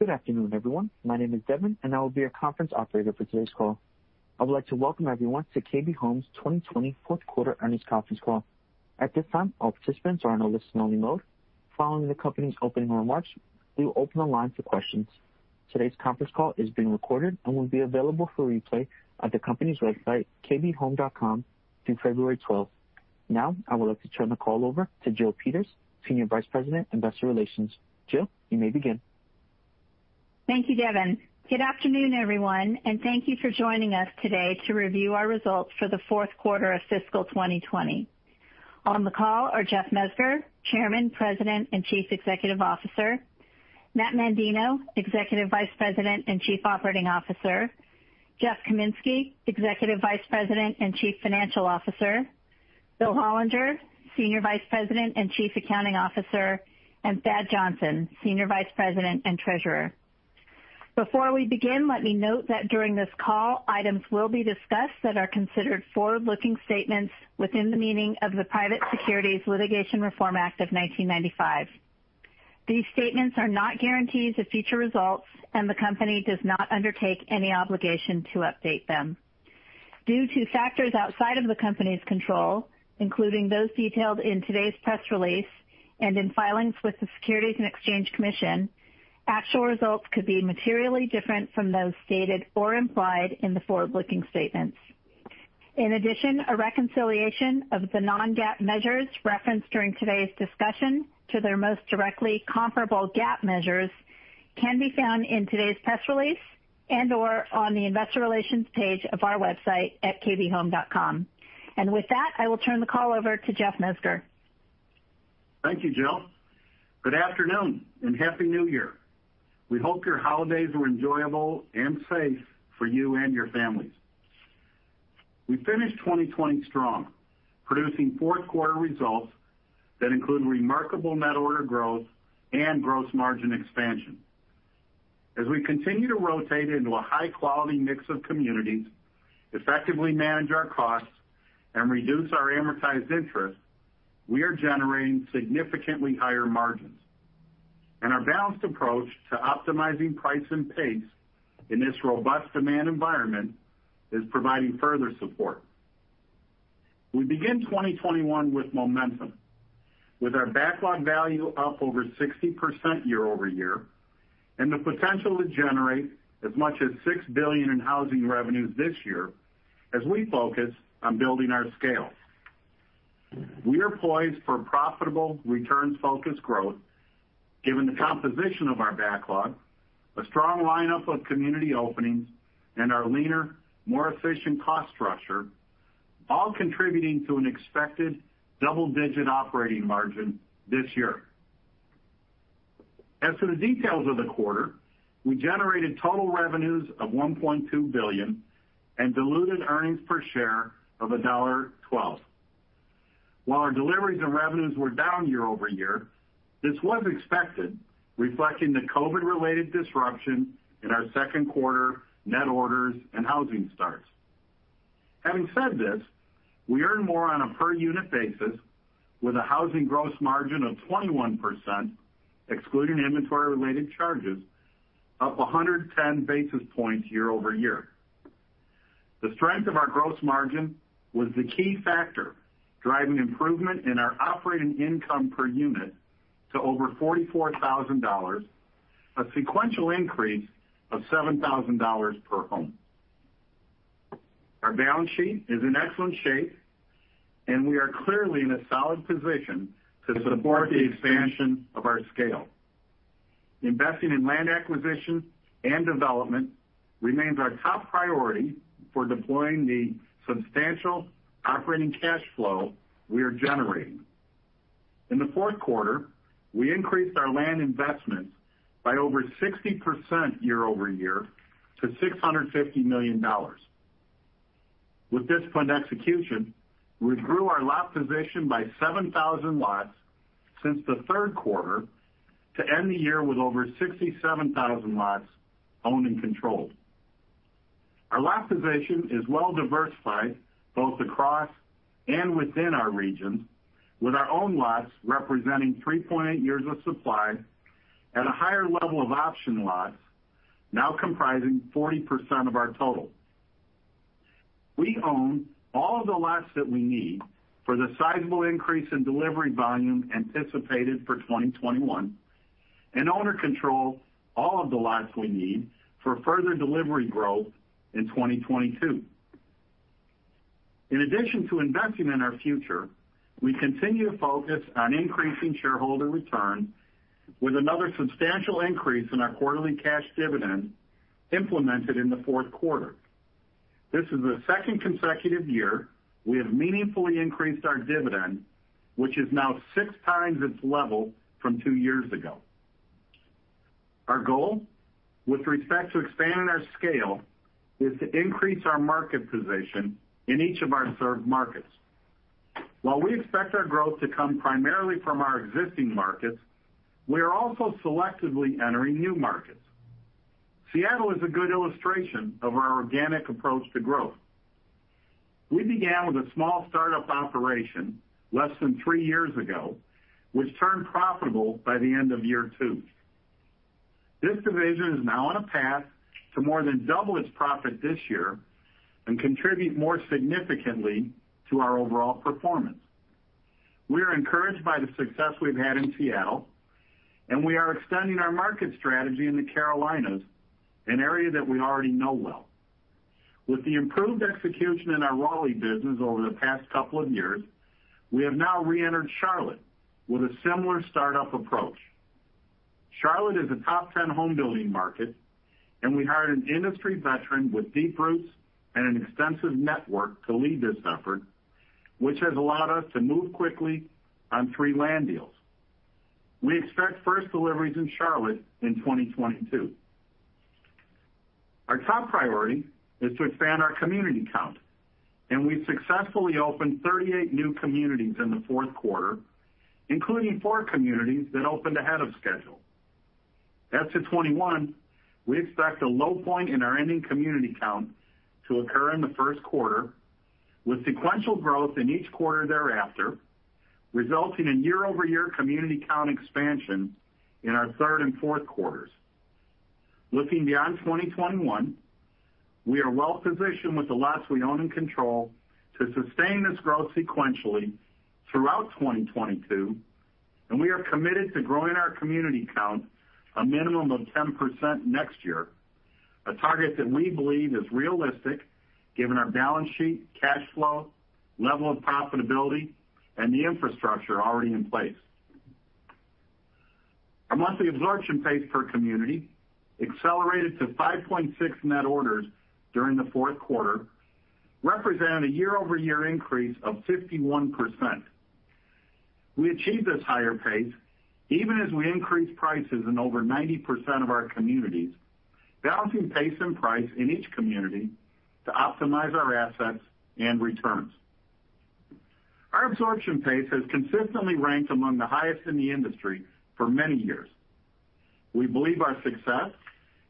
Good afternoon, everyone. My name is Devin, and I will be your conference operator for today's call. I would like to welcome everyone to KB Home's 2020 Fourth Quarter Earnings Conference Call. At this time, all participants are on a listen-only mode. Following the company's opening remarks, we will open the line for questions. Today's conference call is being recorded and will be available for replay at the company's website, kbhome.com, through February 12th. Now, I would like to turn the call over to Jill Peters, Senior Vice President, Investor Relations. Jill, you may begin. Thank you, Devin. Good afternoon, everyone, and thank you for joining us today to review our results for the fourth quarter of fiscal 2020. On the call are Jeff Mezger, Chairman, President, and Chief Executive Officer, Matt Mandino, Executive Vice President and Chief Operating Officer, Jeff Kaminski, Executive Vice President and Chief Financial Officer, Bill Hollinger, Senior Vice President and Chief Accounting Officer, and Thad Johnson, Senior Vice President and Treasurer. Before we begin, let me note that during this call, items will be discussed that are considered forward-looking statements within the meaning of the Private Securities Litigation Reform Act of 1995. These statements are not guarantees of future results, and the company does not undertake any obligation to update them. Due to factors outside of the company's control, including those detailed in today's press release and in filings with the Securities and Exchange Commission, actual results could be materially different from those stated or implied in the forward-looking statements. In addition, a reconciliation of the non-GAAP measures referenced during today's discussion to their most directly comparable GAAP measures can be found in today's press release and/or on the Investor Relations page of our website at kbhome.com. And with that, I will turn the call over to Jeff Mezger. Thank you, Jill. Good afternoon and happy New Year. We hope your holidays were enjoyable and safe for you and your families. We finished 2020 strong, producing fourth-quarter results that include remarkable net order growth and gross margin expansion. As we continue to rotate into a high-quality mix of communities, effectively manage our costs, and reduce our amortized interest, we are generating significantly higher margins. And our balanced approach to optimizing price and pace in this robust demand environment is providing further support. We begin 2021 with momentum, with our backlog value up over 60% YoY and the potential to generate as much as $6 billion in housing revenues this year as we focus on building our scale. We are poised for profitable return-focused growth, given the composition of our backlog, a strong lineup of community openings, and our leaner, more efficient cost structure, all contributing to an expected double-digit operating margin this year. As for the details of the quarter, we generated total revenues of $1.2 billion and diluted earnings per share of $1.12. While our deliveries and revenues were down year over year, this was expected, reflecting the COVID-related disruption in our second quarter net orders and housing starts. Having said this, we earned more on a per-unit basis, with a housing gross margin of 21%, excluding inventory-related charges, up 110 basis points year-over-year. The strength of our gross margin was the key factor driving improvement in our operating income per unit to over $44,000, a sequential increase of $7,000 per home. Our balance sheet is in excellent shape, and we are clearly in a solid position to support the expansion of our scale. Investing in land acquisition and development remains our top priority for deploying the substantial operating cash flow we are generating. In the fourth quarter, we increased our land investments by over 60% YoY to $650 million. With this fund execution, we grew our lot position by 7,000 lots since the third quarter to end the year with over 67,000 lots owned and controlled. Our lot position is well diversified both across and within our regions, with our own lots representing 3.8 years of supply and a higher level of option lots, now comprising 40% of our total. We own all of the lots that we need for the sizable increase in delivery volume anticipated for 2021 and own or control all of the lots we need for further delivery growth in 2022. In addition to investing in our future, we continue to focus on increasing shareholder returns, with another substantial increase in our quarterly cash dividend implemented in the fourth quarter. This is the second consecutive year we have meaningfully increased our dividend, which is now six times its level from two years ago. Our goal with respect to expanding our scale is to increase our market position in each of our served markets. While we expect our growth to come primarily from our existing markets, we are also selectively entering new markets. Seattle is a good illustration of our organic approach to growth. We began with a small startup operation less than three years ago, which turned profitable by the end of year two. This division is now on a path to more than double its profit this year and contribute more significantly to our overall performance. We are encouraged by the success we've had in Seattle, and we are extending our market strategy in the Carolinas, an area that we already know well. With the improved execution in our Raleigh business over the past couple of years, we have now re-entered Charlotte with a similar startup approach. Charlotte is a top-10 homebuilding market, and we hired an industry veteran with deep roots and an extensive network to lead this effort, which has allowed us to move quickly on three land deals. We expect first deliveries in Charlotte in 2022. Our top priority is to expand our community count, and we successfully opened 38 new communities in the fourth quarter, including four communities that opened ahead of schedule. As to 2021, we expect a low point in our ending community count to occur in the first quarter, with sequential growth in each quarter thereafter, resulting in year-over-year community count expansion in our third and fourth quarters. Looking beyond 2021, we are well positioned with the lots we own and control to sustain this growth sequentially throughout 2022, and we are committed to growing our community count a minimum of 10% next year, a target that we believe is realistic given our balance sheet, cash flow, level of profitability, and the infrastructure already in place. Our monthly absorption pace per community accelerated to 5.6 net orders during the fourth quarter, represented a year-over-year increase of 51%. We achieved this higher pace even as we increased prices in over 90% of our communities, balancing pace and price in each community to optimize our assets and returns. Our absorption pace has consistently ranked among the highest in the industry for many years. We believe our success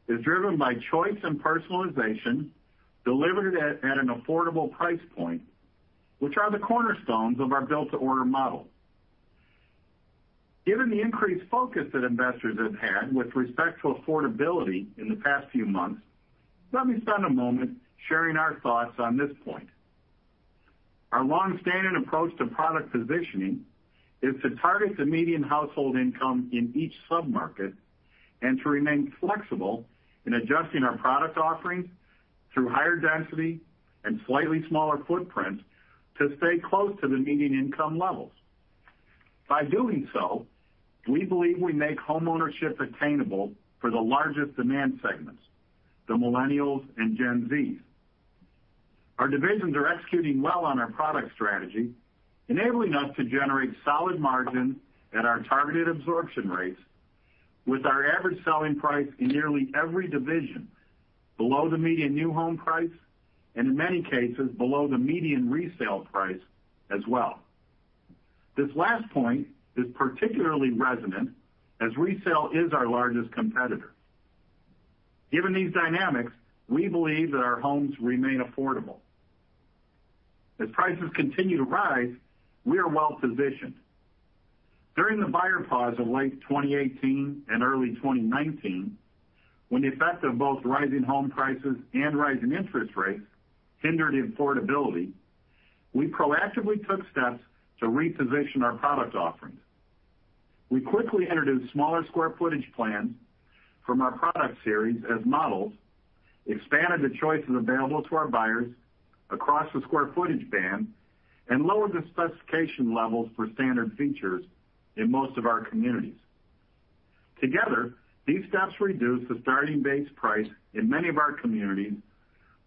is driven by choice and personalization delivered at an affordable price point, which are the cornerstones of our Built-to-Order model. Given the increased focus that investors have had with respect to affordability in the past few months, let me spend a moment sharing our thoughts on this point. Our long-standing approach to product positioning is to target the median household income in each submarket and to remain flexible in adjusting our product offerings through higher density and slightly smaller footprints to stay close to the median income levels. By doing so, we believe we make homeownership attainable for the largest demand segments, the Millennials and Gen Zs. Our divisions are executing well on our product strategy, enabling us to generate solid margins at our targeted absorption rates, with our average selling price in nearly every division below the median new home price and, in many cases, below the median resale price as well. This last point is particularly resonant as resale is our largest competitor. Given these dynamics, we believe that our homes remain affordable. As prices continue to rise, we are well positioned. During the buyer pause of late 2018 and early 2019, when the effect of both rising home prices and rising interest rates hindered affordability, we proactively took steps to reposition our product offerings. We quickly introduced smaller square footage plans from our product series as models, expanded the choices available to our buyers across the square footage band, and lowered the specification levels for standard features in most of our communities. Together, these steps reduced the starting base price in many of our communities,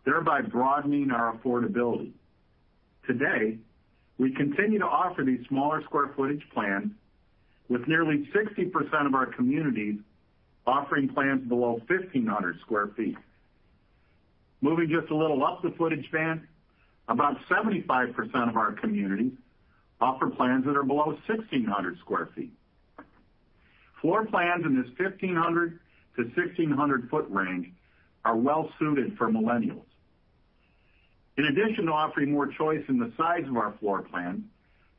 thereby broadening our affordability. Today, we continue to offer these smaller square footage plans, with nearly 60% of our communities offering plans below 1,500 sq ft. Moving just a little up the footage band, about 75% of our communities offer plans that are below 1,600 sq ft. Floor plans in this 1,500 to 1,600-sq ft range are well suited for Millennials. In addition to offering more choice in the size of our floor plans,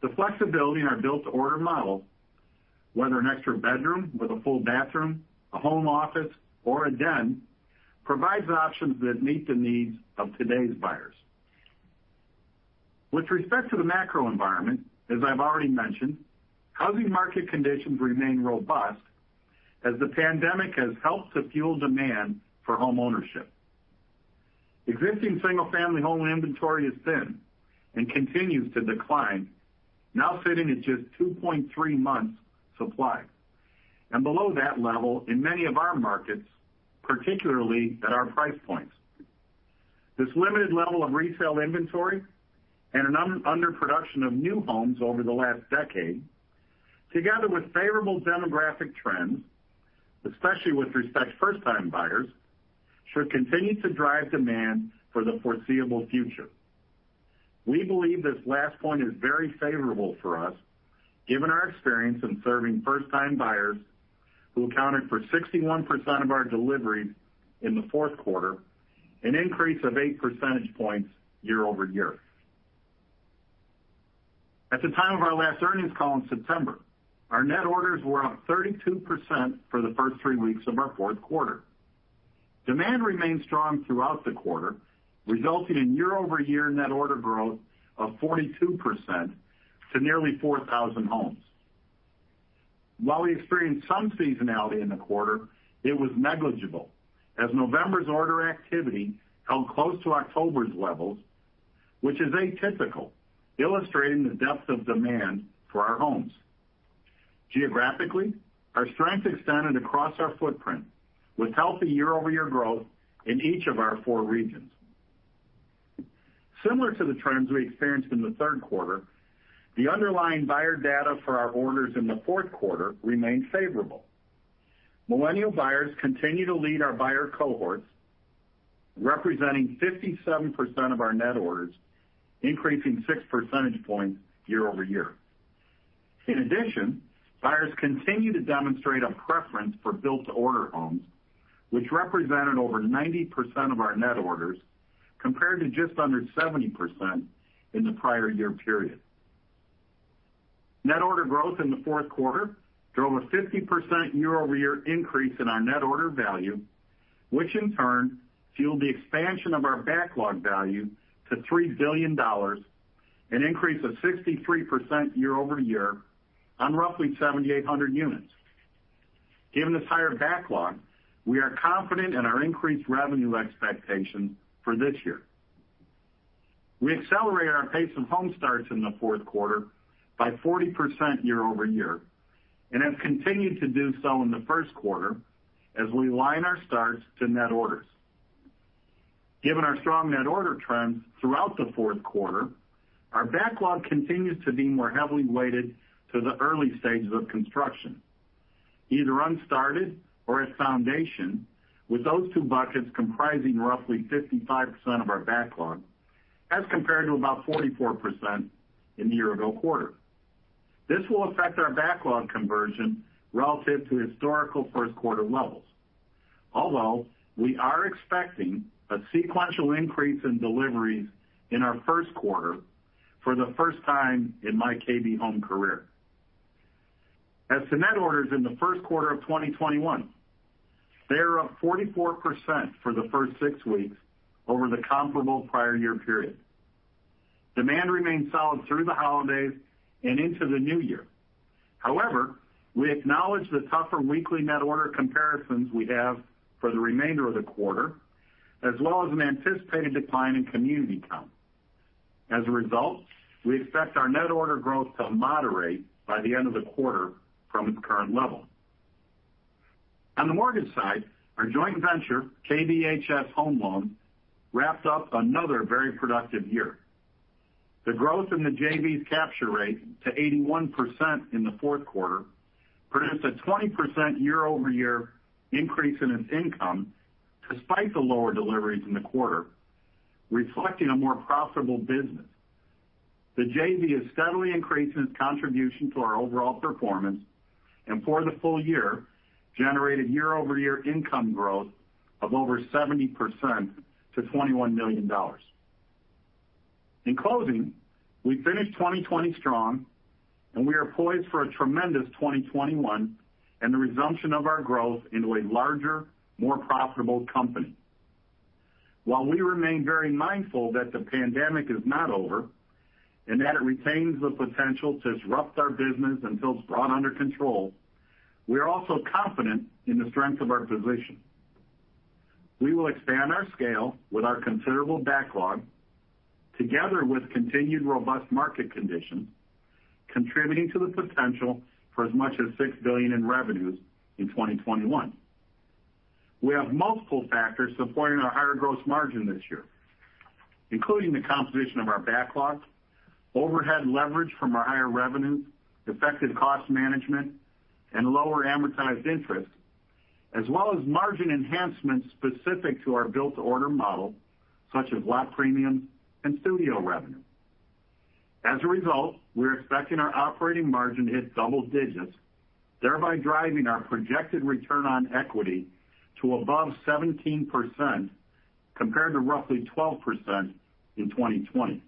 the flexibility in our Built-to-Order models, whether an extra bedroom with a full bathroom, a home office, or a den, provides options that meet the needs of today's buyers. With respect to the macro environment, as I've already mentioned, housing market conditions remain robust as the pandemic has helped to fuel demand for homeownership. Existing single-family home inventory is thin and continues to decline, now sitting at just 2.3 months' supply, and below that level in many of our markets, particularly at our price points. This limited level of resale inventory and an underproduction of new homes over the last decade, together with favorable demographic trends, especially with respect to first-time buyers, should continue to drive demand for the foreseeable future. We believe this last point is very favorable for us, given our experience in serving first-time buyers who accounted for 61% of our deliveries in the fourth quarter, an increase of 8 percentage points year over year. At the time of our last earnings call in September, our net orders were up 32% for the first three weeks of our fourth quarter. Demand remained strong throughout the quarter, resulting in year-over-year net order growth of 42% to nearly 4,000 homes. While we experienced some seasonality in the quarter, it was negligible as November's order activity held close to October's levels, which is atypical, illustrating the depth of demand for our homes. Geographically, our strength extended across our footprint with healthy year-over-year growth in each of our four regions. Similar to the trends we experienced in the third quarter, the underlying buyer data for our orders in the fourth quarter remained favorable. Millennial buyers continue to lead our buyer cohorts, representing 57% of our net orders, increasing 6 percentage points year over year. In addition, buyers continue to demonstrate a preference for Built-to-Order homes, which represented over 90% of our net orders compared to just under 70% in the prior year period. Net order growth in the fourth quarter drove a 50% year-over-year increase in our net order value, which in turn fueled the expansion of our backlog value to $3 billion, an increase of 63% YoY on roughly 7,800 units. Given this higher backlog, we are confident in our increased revenue expectations for this year. We accelerated our pace of home starts in the fourth quarter by 40% YoY and have continued to do so in the first quarter as we line our starts to net orders. Given our strong net order trends throughout the fourth quarter, our backlog continues to be more heavily weighted to the early stages of construction, either unstarted or at foundation, with those two buckets comprising roughly 55% of our backlog as compared to about 44% in the year-ago quarter. This will affect our backlog conversion relative to historical first-quarter levels, although we are expecting a sequential increase in deliveries in our first quarter for the first time in my KB Home career. As to net orders in the first quarter of 2021, they are up 44% for the first six weeks over the comparable prior year period. Demand remained solid through the holidays and into the new year. However, we acknowledge the tougher weekly net order comparisons we have for the remainder of the quarter, as well as an anticipated decline in community count. As a result, we expect our net order growth to moderate by the end of the quarter from its current level. On the mortgage side, our joint venture, KBHS Home Loans, wrapped up another very productive year. The growth in the JV's capture rate to 81% in the fourth quarter produced a 20% YoY increase in its income despite the lower deliveries in the quarter, reflecting a more profitable business. The JV is steadily increasing its contribution to our overall performance and, for the full year, generated year-over-year income growth of over 70% to $21 million. In closing, we finished 2020 strong, and we are poised for a tremendous 2021 and the resumption of our growth into a larger, more profitable company. While we remain very mindful that the pandemic is not over and that it retains the potential to disrupt our business until it's brought under control, we are also confident in the strength of our position. We will expand our scale with our considerable backlog, together with continued robust market conditions, contributing to the potential for as much as $6 billion in revenues in 2021. We have multiple factors supporting our higher gross margin this year, including the composition of our backlog, overhead leverage from our higher revenues, effective cost management, and lower amortized interest, as well as margin enhancements specific to our Built-to-Order model, such as lot premiums and studio revenue. As a result, we are expecting our operating margin to hit double digits, thereby driving our projected return on equity to above 17% compared to roughly 12% in 2020.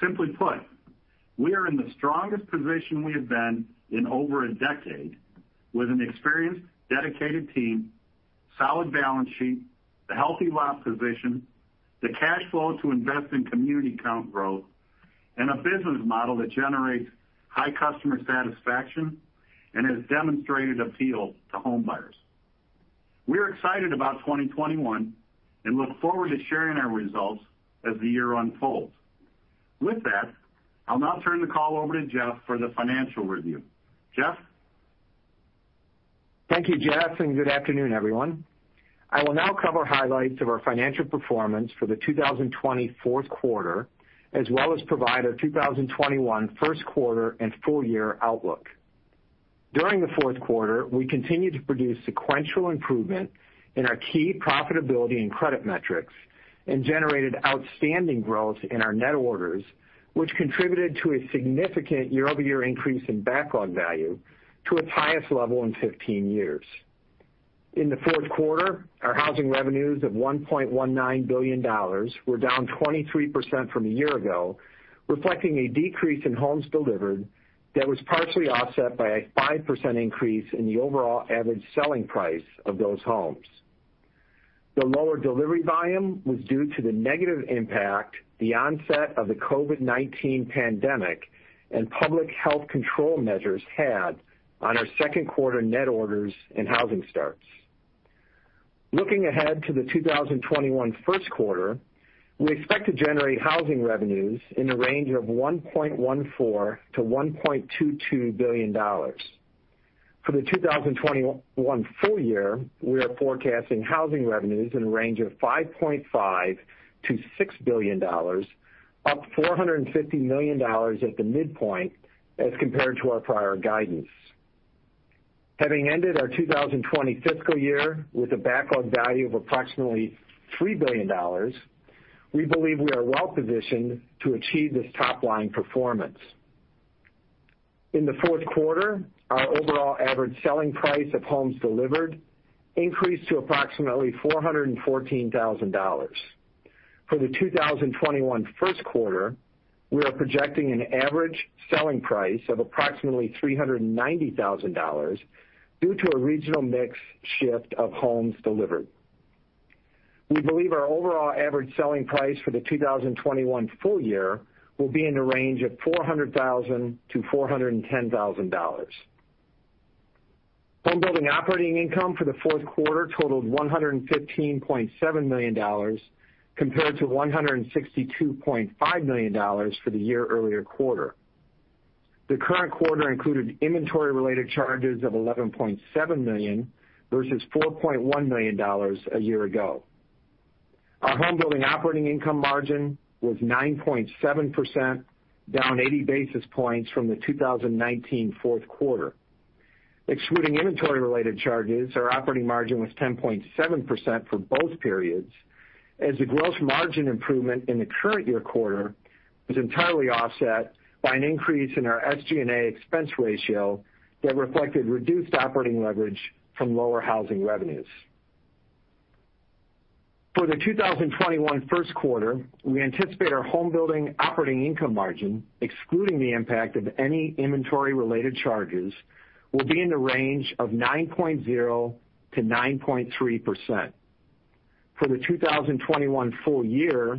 Simply put, we are in the strongest position we have been in over a decade, with an experienced, dedicated team, solid balance sheet, the healthy lot position, the cash flow to invest in community count growth, and a business model that generates high customer satisfaction and has demonstrated appeal to home buyers. We are excited about 2021 and look forward to sharing our results as the year unfolds. With that, I'll now turn the call over to Jeff for the financial review. Jeff? Thank you, Jeff, and good afternoon, everyone. I will now cover highlights of our financial performance for the 2020 fourth quarter, as well as provide a 2021 first quarter and full year outlook. During the fourth quarter, we continued to produce sequential improvement in our key profitability and credit metrics and generated outstanding growth in our net orders, which contributed to a significant year-over-year increase in backlog value to its highest level in 15 years. In the fourth quarter, our housing revenues of $1.19 billion were down 23% from a year ago, reflecting a decrease in homes delivered that was partially offset by a 5% increase in the overall average selling price of those homes. The lower delivery volume was due to the negative impact the onset of the COVID-19 pandemic and public health control measures had on our second quarter net orders and housing starts. Looking ahead to the 2021 first quarter, we expect to generate housing revenues in the range of $1.14 billion-$1.22 billion. For the 2021 full year, we are forecasting housing revenues in the range of $5.5 billion-$6 billion, up $450 million at the midpoint as compared to our prior guidance. Having ended our 2020 fiscal year with a backlog value of approximately $3 billion, we believe we are well positioned to achieve this top-line performance. In the fourth quarter, our overall average selling price of homes delivered increased to approximately $414,000. For the 2021 first quarter, we are projecting an average selling price of approximately $390,000 due to a regional mix shift of homes delivered. We believe our overall average selling price for the 2021 full year will be in the range of $400,000-$410,000. Homebuilding operating income for the fourth quarter totaled $115.7 million compared to $162.5 million for the year-earlier quarter. The current quarter included inventory-related charges of $11.7 million versus $4.1 million a year ago. Our homebuilding operating income margin was 9.7%, down 80 basis points from the 2019 fourth quarter. Excluding inventory-related charges, our operating margin was 10.7% for both periods, as the gross margin improvement in the current year quarter was entirely offset by an increase in our SG&A expense ratio that reflected reduced operating leverage from lower housing revenues. For the 2021 first quarter, we anticipate our homebuilding operating income margin, excluding the impact of any inventory-related charges, will be in the range of 9.0%-9.3%. For the 2021 full year,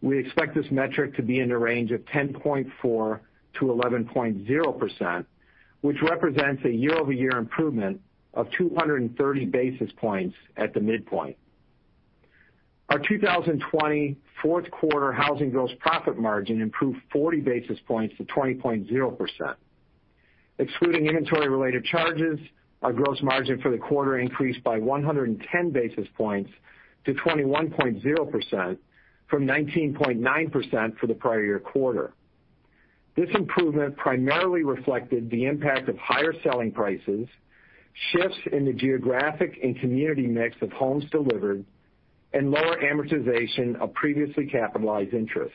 we expect this metric to be in the range of 10.4%-11.0%, which represents a year-over-year improvement of 230 basis points at the midpoint. Our 2020 fourth quarter housing gross profit margin improved 40 basis points to 20.0%. Excluding inventory-related charges, our gross margin for the quarter increased by 110 basis points to 21.0% from 19.9% for the prior year quarter. This improvement primarily reflected the impact of higher selling prices, shifts in the geographic and community mix of homes delivered, and lower amortization of previously capitalized interest.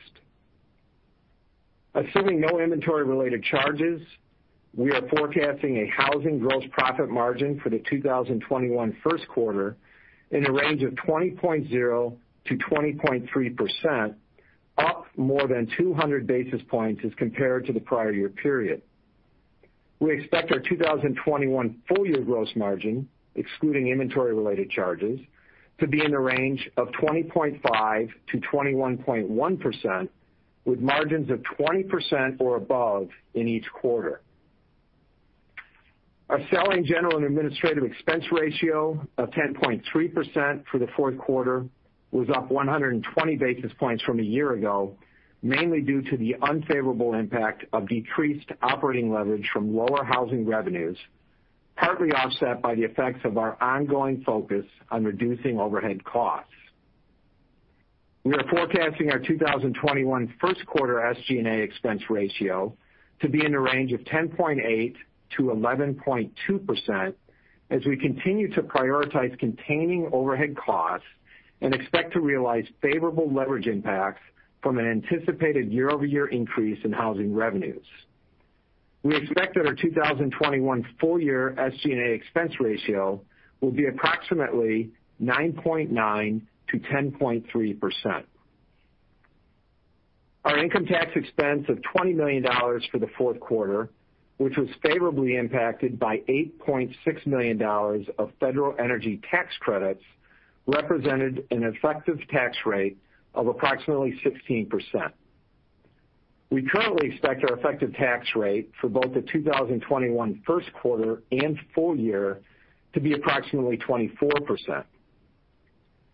Assuming no inventory-related charges, we are forecasting a housing gross profit margin for the 2021 first quarter in the range of 20.0%-20.3%, up more than 200 basis points as compared to the prior year period. We expect our 2021 full year gross margin, excluding inventory-related charges, to be in the range of 20.5%-21.1%, with margins of 20% or above in each quarter. Our Selling, General, and Administrative expense ratio of 10.3% for the fourth quarter was up 120 basis points from a year ago, mainly due to the unfavorable impact of decreased operating leverage from lower housing revenues, partly offset by the effects of our ongoing focus on reducing overhead costs. We are forecasting our 2021 first quarter SG&A expense ratio to be in the range of 10.8%-11.2% as we continue to prioritize containing overhead costs and expect to realize favorable leverage impacts from an anticipated year-over-year increase in housing revenues. We expect that our 2021 full year SG&A expense ratio will be approximately 9.9%-10.3%. Our income tax expense of $20 million for the fourth quarter, which was favorably impacted by $8.6 million of federal energy tax credits, represented an effective tax rate of approximately 16%. We currently expect our effective tax rate for both the 2021 first quarter and full year to be approximately 24%.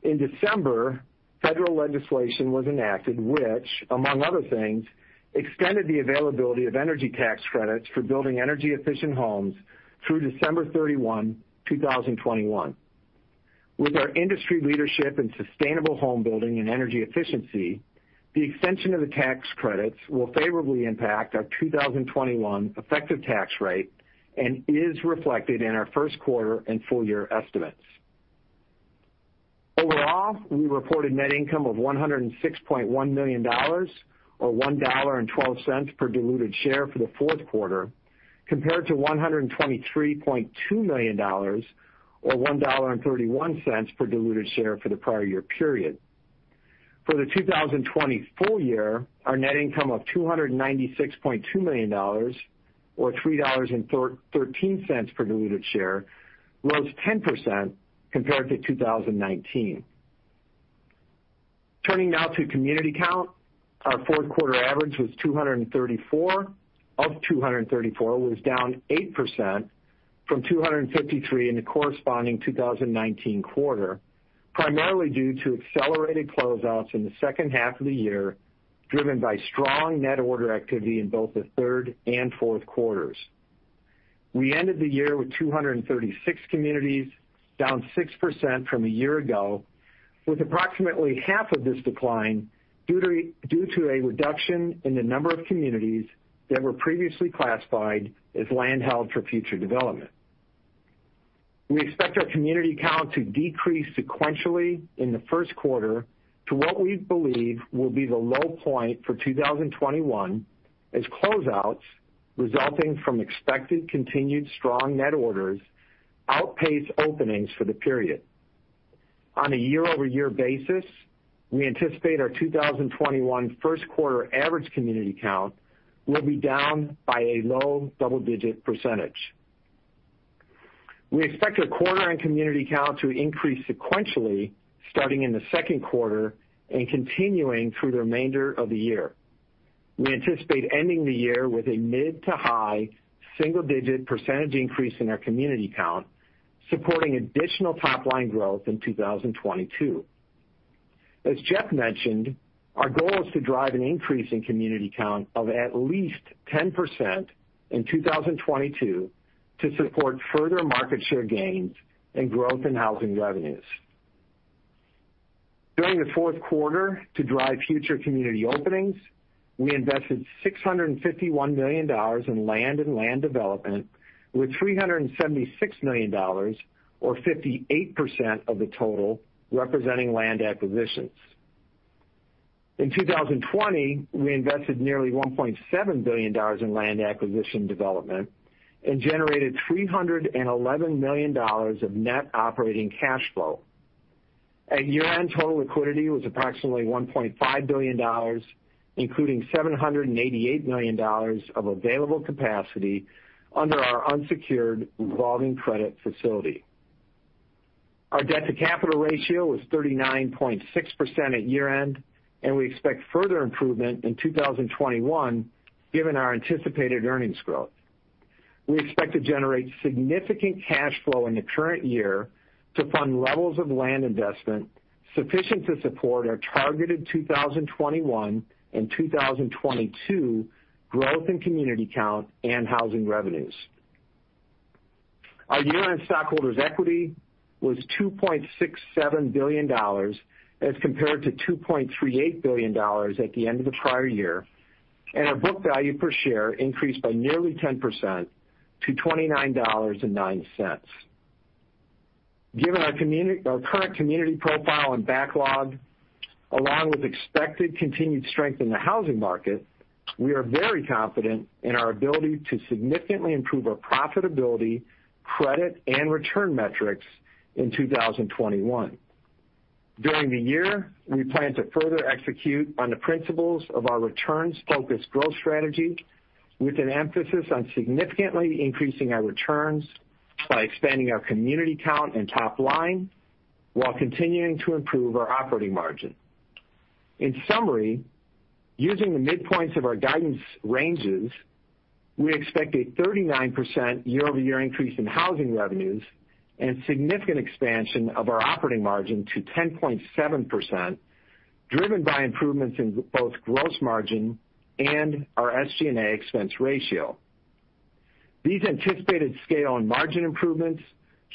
In December, federal legislation was enacted which, among other things, extended the availability of energy tax credits for building energy-efficient homes through December 31, 2021. With our industry leadership in sustainable homebuilding and energy efficiency, the extension of the tax credits will favorably impact our 2021 effective tax rate and is reflected in our first quarter and full year estimates. Overall, we reported net income of $106.1 million, or $1.12 per diluted share for the fourth quarter, compared to $123.2 million, or $1.31 per diluted share for the prior year period. For the 2020 full year, our net income of $296.2 million, or $3.13 per diluted share, rose 10% compared to 2019. Turning now to community count, our fourth quarter average was 234 of 234, which was down 8% from 253 in the corresponding 2019 quarter, primarily due to accelerated closeouts in the second half of the year driven by strong net order activity in both the third and fourth quarters. We ended the year with 236 communities, down 6% from a year ago, with approximately half of this decline due to a reduction in the number of communities that were previously classified as land held for future development. We expect our community count to decrease sequentially in the first quarter to what we believe will be the low point for 2021, as closeouts resulting from expected continued strong net orders outpace openings for the period. On a year-over-year basis, we anticipate our 2021 first quarter average community count will be down by a low double-digit percentage. We expect our quarter-end community count to increase sequentially starting in the second quarter and continuing through the remainder of the year. We anticipate ending the year with a mid to high single-digit percentage increase in our community count, supporting additional top-line growth in 2022. As Jeff mentioned, our goal is to drive an increase in community count of at least 10% in 2022 to support further market share gains and growth in housing revenues. During the fourth quarter, to drive future community openings, we invested $651 million in land and land development, with $376 million, or 58% of the total, representing land acquisitions. In 2020, we invested nearly $1.7 billion in land acquisition development and generated $311 million of net operating cash flow. At year-end, total liquidity was approximately $1.5 billion, including $788 million of available capacity under our unsecured revolving credit facility. Our debt-to-capital ratio was 39.6% at year-end, and we expect further improvement in 2021 given our anticipated earnings growth. We expect to generate significant cash flow in the current year to fund levels of land investment sufficient to support our targeted 2021 and 2022 growth in community count and housing revenues. Our year-end stockholders' equity was $2.67 billion as compared to $2.38 billion at the end of the prior year, and our book value per share increased by nearly 10% to $29.09. Given our current community profile and backlog, along with expected continued strength in the housing market, we are very confident in our ability to significantly improve our profitability, credit, and return metrics in 2021. During the year, we plan to further execute on the principles of our returns-focused growth strategy, with an emphasis on significantly increasing our returns by expanding our community count and top line while continuing to improve our operating margin. In summary, using the midpoints of our guidance ranges, we expect a 39% YoY increase in housing revenues and significant expansion of our operating margin to 10.7%, driven by improvements in both gross margin and our SG&A expense ratio. These anticipated scale and margin improvements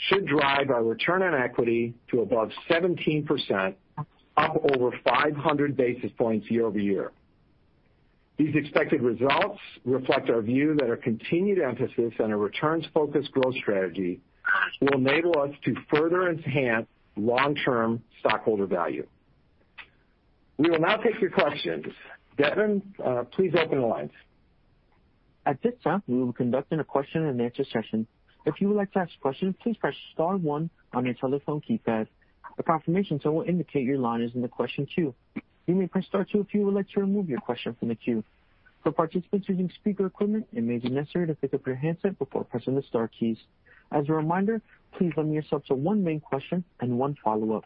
should drive our return on equity to above 17%, up over 500 basis points year-over-year. These expected results reflect our view that our continued emphasis on a returns-focused growth strategy will enable us to further enhance long-term stockholder value. We will now take your questions. Devin, please open the lines. At this time, we will conduct a question-and-answer session. If you would like to ask a question, please press star one on your telephone keypad. A confirmation tone will indicate your line is in the question queue. You may press star two if you would like to remove your question from the queue. For participants using speaker equipment, it may be necessary to pick up your handset before pressing the star keys. As a reminder, please limit yourself to one main question and one follow-up.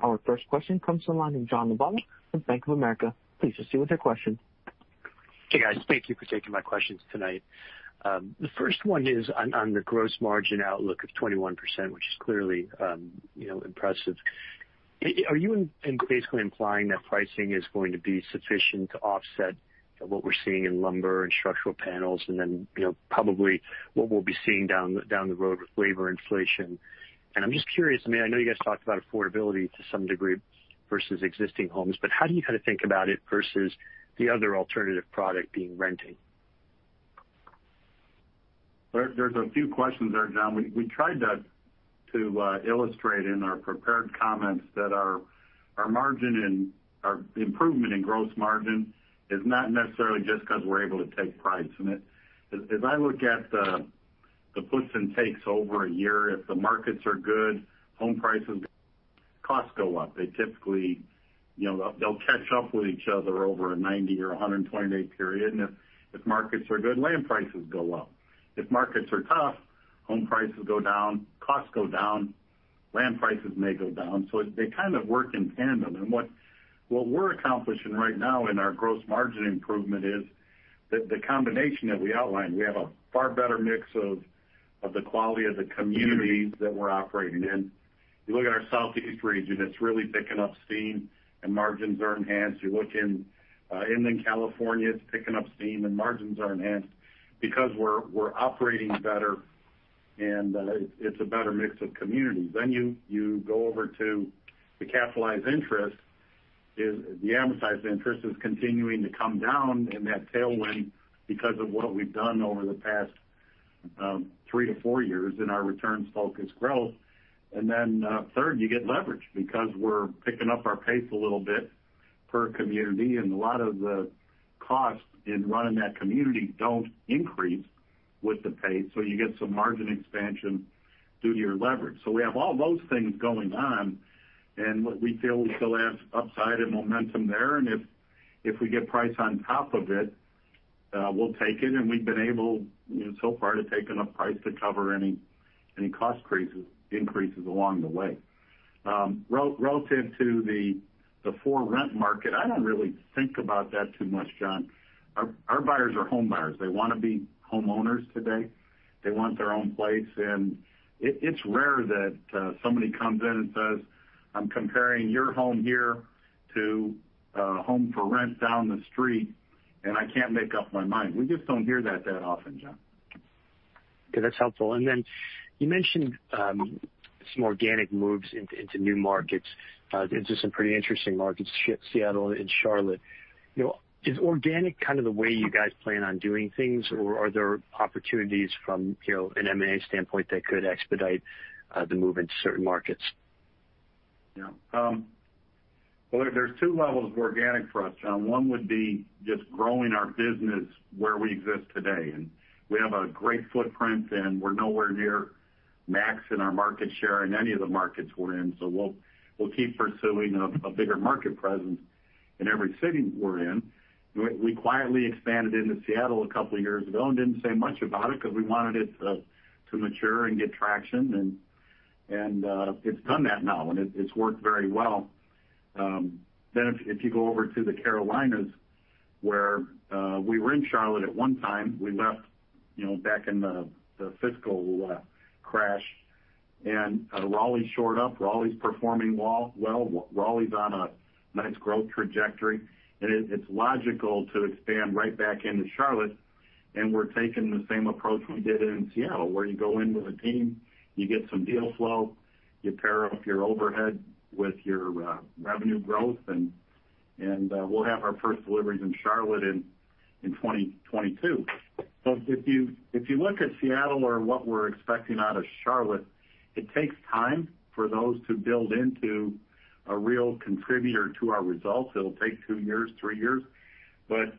Our first question comes from John Lovallo from Bank of America. Please proceed with your question. Hey, guys. Thank you for taking my questions tonight. The first one is on the gross margin outlook of 21%, which is clearly impressive. Are you basically implying that pricing is going to be sufficient to offset what we're seeing in lumber and structural panels, and then probably what we'll be seeing down the road with labor inflation? And I'm just curious. I mean, I know you guys talked about affordability to some degree versus existing homes, but how do you kind of think about it versus the other alternative product being renting? There's a few questions there, John. We tried to illustrate in our prepared comments that our improvement in gross margin is not necessarily just because we're able to take price in it. As I look at the puts and takes over a year, if the markets are good, home prices go up. Costs go up. They typically—they'll catch up with each other over a 90 or 120-day period. And if markets are good, land prices go up. If markets are tough, home prices go down, costs go down, land prices may go down. So they kind of work in tandem, and what we're accomplishing right now in our gross margin improvement is the combination that we outlined. We have a far better mix of the quality of the communities that we're operating in. You look at our Southeast region, it's really picking up steam, and margins are enhanced. You look in Inland Empire, it's picking up steam, and margins are enhanced because we're operating better, and it's a better mix of communities, then you go over to the capitalized interest. The amortized interest is continuing to come down in that tailwind because of what we've done over the past three to four years in our returns-focused growth. And then third, you get leverage because we're picking up our pace a little bit per community, and a lot of the costs in running that community don't increase with the pace. So you get some margin expansion due to your leverage. So we have all those things going on, and we feel we still have upside and momentum there. And if we get price on top of it, we'll take it. And we've been able so far to take enough price to cover any cost increases along the way. Relative to the for rent market, I don't really think about that too much, John. Our buyers are home buyers. They want to be homeowners today. They want their own place. It's rare that somebody comes in and says, "I'm comparing your home here to a home for rent down the street, and I can't make up my mind." We just don't hear that often, John. Okay. That's helpful. Then you mentioned some organic moves into new markets. This is some pretty interesting markets, Seattle and Charlotte. Is organic kind of the way you guys plan on doing things, or are there opportunities from an M&A standpoint that could expedite the move into certain markets? Yeah. There's two levels of organic for us, John. One would be just growing our business where we exist today. We have a great footprint, and we're nowhere near max in our market share in any of the markets we're in. We'll keep pursuing a bigger market presence in every city we're in. We quietly expanded into Seattle a couple of years ago and didn't say much about it because we wanted it to mature and get traction. And it's done that now, and it's worked very well. Then if you go over to the Carolinas, where we were in Charlotte at one time, we left back in the financial crisis, and Raleigh's shored up. Raleigh's performing well. Raleigh's on a nice growth trajectory. And it's logical to expand right back into Charlotte. And we're taking the same approach we did in Seattle, where you go in with a team, you get some deal flow, you pair up your overhead with your revenue growth, and we'll have our first deliveries in Charlotte in 2022. So if you look at Seattle or what we're expecting out of Charlotte, it takes time for those to build into a real contributor to our results. It'll take two years, three years. But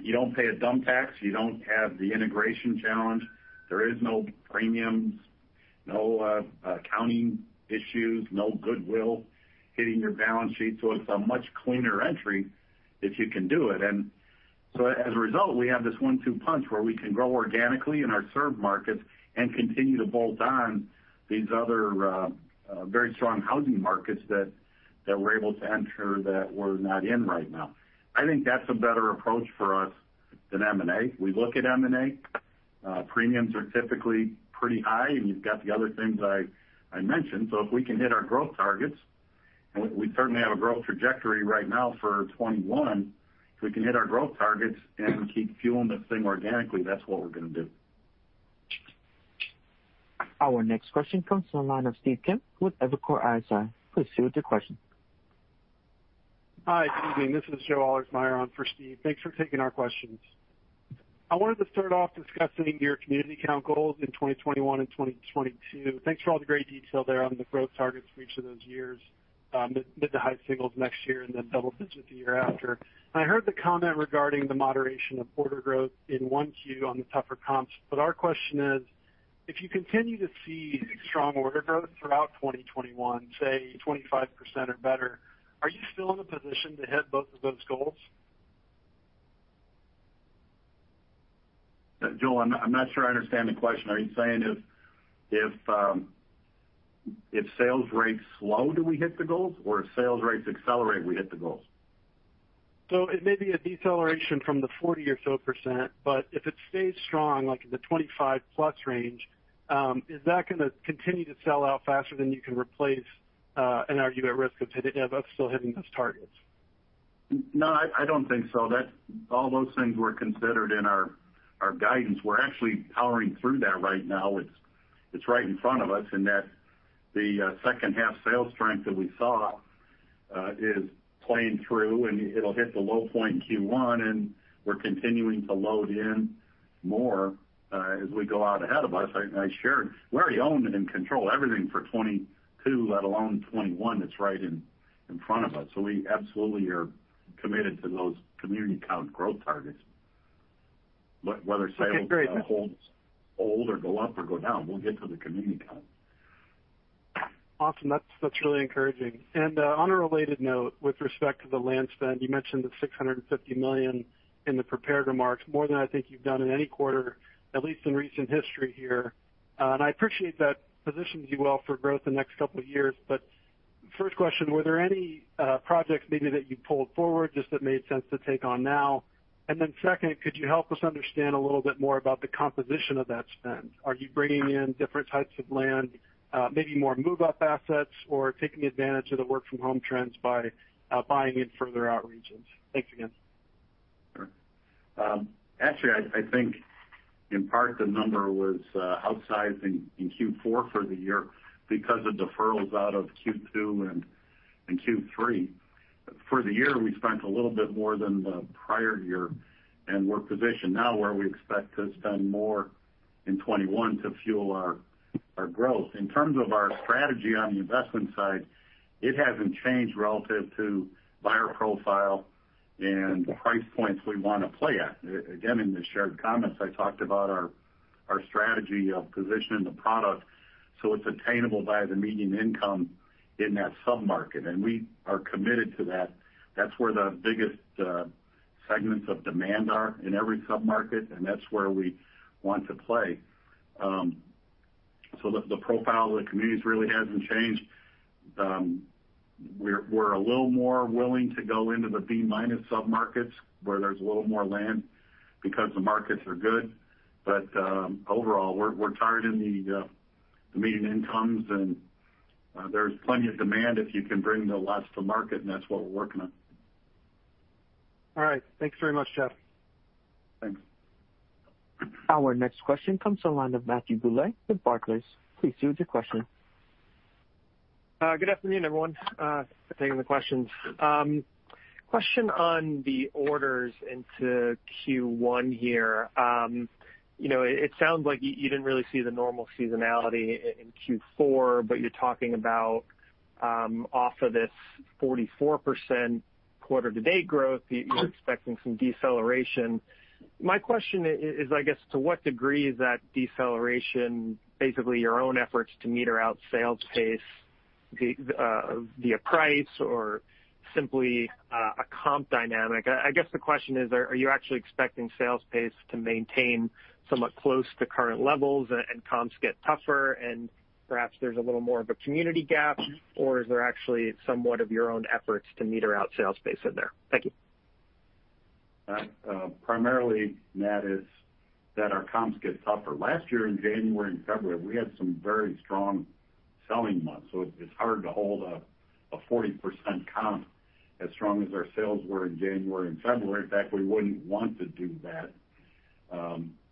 you don't pay a dump tax. You don't have the integration challenge. There is no premiums, no accounting issues, no goodwill hitting your balance sheet. So it's a much cleaner entry if you can do it. And so as a result, we have this one-two punch where we can grow organically in our core markets and continue to bolt on these other very strong housing markets that we're able to enter that we're not in right now. I think that's a better approach for us than M&A. We look at M&A. Premiums are typically pretty high, and you've got the other things I mentioned. So if we can hit our growth targets, and we certainly have a growth trajectory right now for 2021, and keep fueling this thing organically, that's what we're going to do. Our next question comes from Steve Kim with Evercore ISI. Please feel free to question. Hi. Good evening. This is Joe Ahlersmeyer on for Steve. Thanks for taking our questions. I wanted to start off discussing your community count goals in 2021 and 2022. Thanks for all the great detail there on the growth targets for each of those years, mid- to high singles next year, and then double-digit the year after. I heard the comment regarding the moderation of order growth in Q1 on the tougher comps. But our question is, if you continue to see strong order growth throughout 2021, say 25% or better, are you still in a position to hit both of those goals? Joe, I'm not sure I understand the question. Are you saying if sales rates slow, do we hit the goals, or if sales rates accelerate, we hit the goals? So it may be a deceleration from the 40% or so, but if it stays strong, like in the 25+ range, is that going to continue to sell out faster than you can replace and are you at risk of still hitting those targets? No, I don't think so. All those things were considered in our guidance. We're actually powering through that right now. It's right in front of us in that the second-half sales strength that we saw is playing through, and it'll hit the low point in Q1, and we're continuing to load in more as we go out ahead of us. I shared we already owned and controlled everything for 2022, let alone 2021. It's right in front of us. So we absolutely are committed to those community count growth targets. But whether sales hold or go up or go down, we'll get to the community count. Awesome. That's really encouraging. And on a related note, with respect to the land spend, you mentioned the $650 million in the prepared remarks, more than I think you've done in any quarter, at least in recent history here. And I appreciate that positions you well for growth the next couple of years. But first question, were there any projects maybe that you pulled forward just that made sense to take on now? And then second, could you help us understand a little bit more about the composition of that spend? Are you bringing in different types of land, maybe more move-up assets, or taking advantage of the work-from-home trends by buying in further outreaches? Thanks again. Sure. Actually, I think in part the number was outsized in Q4 for the year because of deferrals out of Q2 and Q3. For the year, we spent a little bit more than the prior year, and we're positioned now where we expect to spend more in 2021 to fuel our growth. In terms of our strategy on the investment side, it hasn't changed relative to buyer profile and price points we want to play at. Again, in the shared comments, I talked about our strategy of positioning the product so it's attainable by the median income in that submarket. And we are committed to that. That's where the biggest segments of demand are in every submarket, and that's where we want to play. So the profile of the communities really hasn't changed. We're a little more willing to go into the B- submarkets where there's a little more land because the markets are good. But overall, we're tied in the median incomes, and there's plenty of demand if you can bring the lots to market, and that's what we're working on. All right. Thanks very much, Jeff. Thanks. Our next question comes from Matthew Bouley with Barclays. Please go ahead with your question. Good afternoon, everyone. Thank you for taking my question. Question on the orders going into Q1 here. It sounds like you didn't really see the normal seasonality in Q4, but you're talking about off of this 44% quarter-to-date growth, you're expecting some deceleration. My question is, I guess, to what degree is that deceleration basically your own efforts to meter out sales pace via price or simply a comp dynamic? I guess the question is, are you actually expecting sales pace to maintain somewhat close to current levels and comps get tougher, and perhaps there's a little more of a community gap, or is there actually somewhat of your own efforts to meter out sales pace in there? Thank you. Primarily, Matt, is that our comps get tougher. Last year, in January and February, we had some very strong selling months. So it's hard to hold a 40% comp as strong as our sales were in January and February. In fact, we wouldn't want to do that.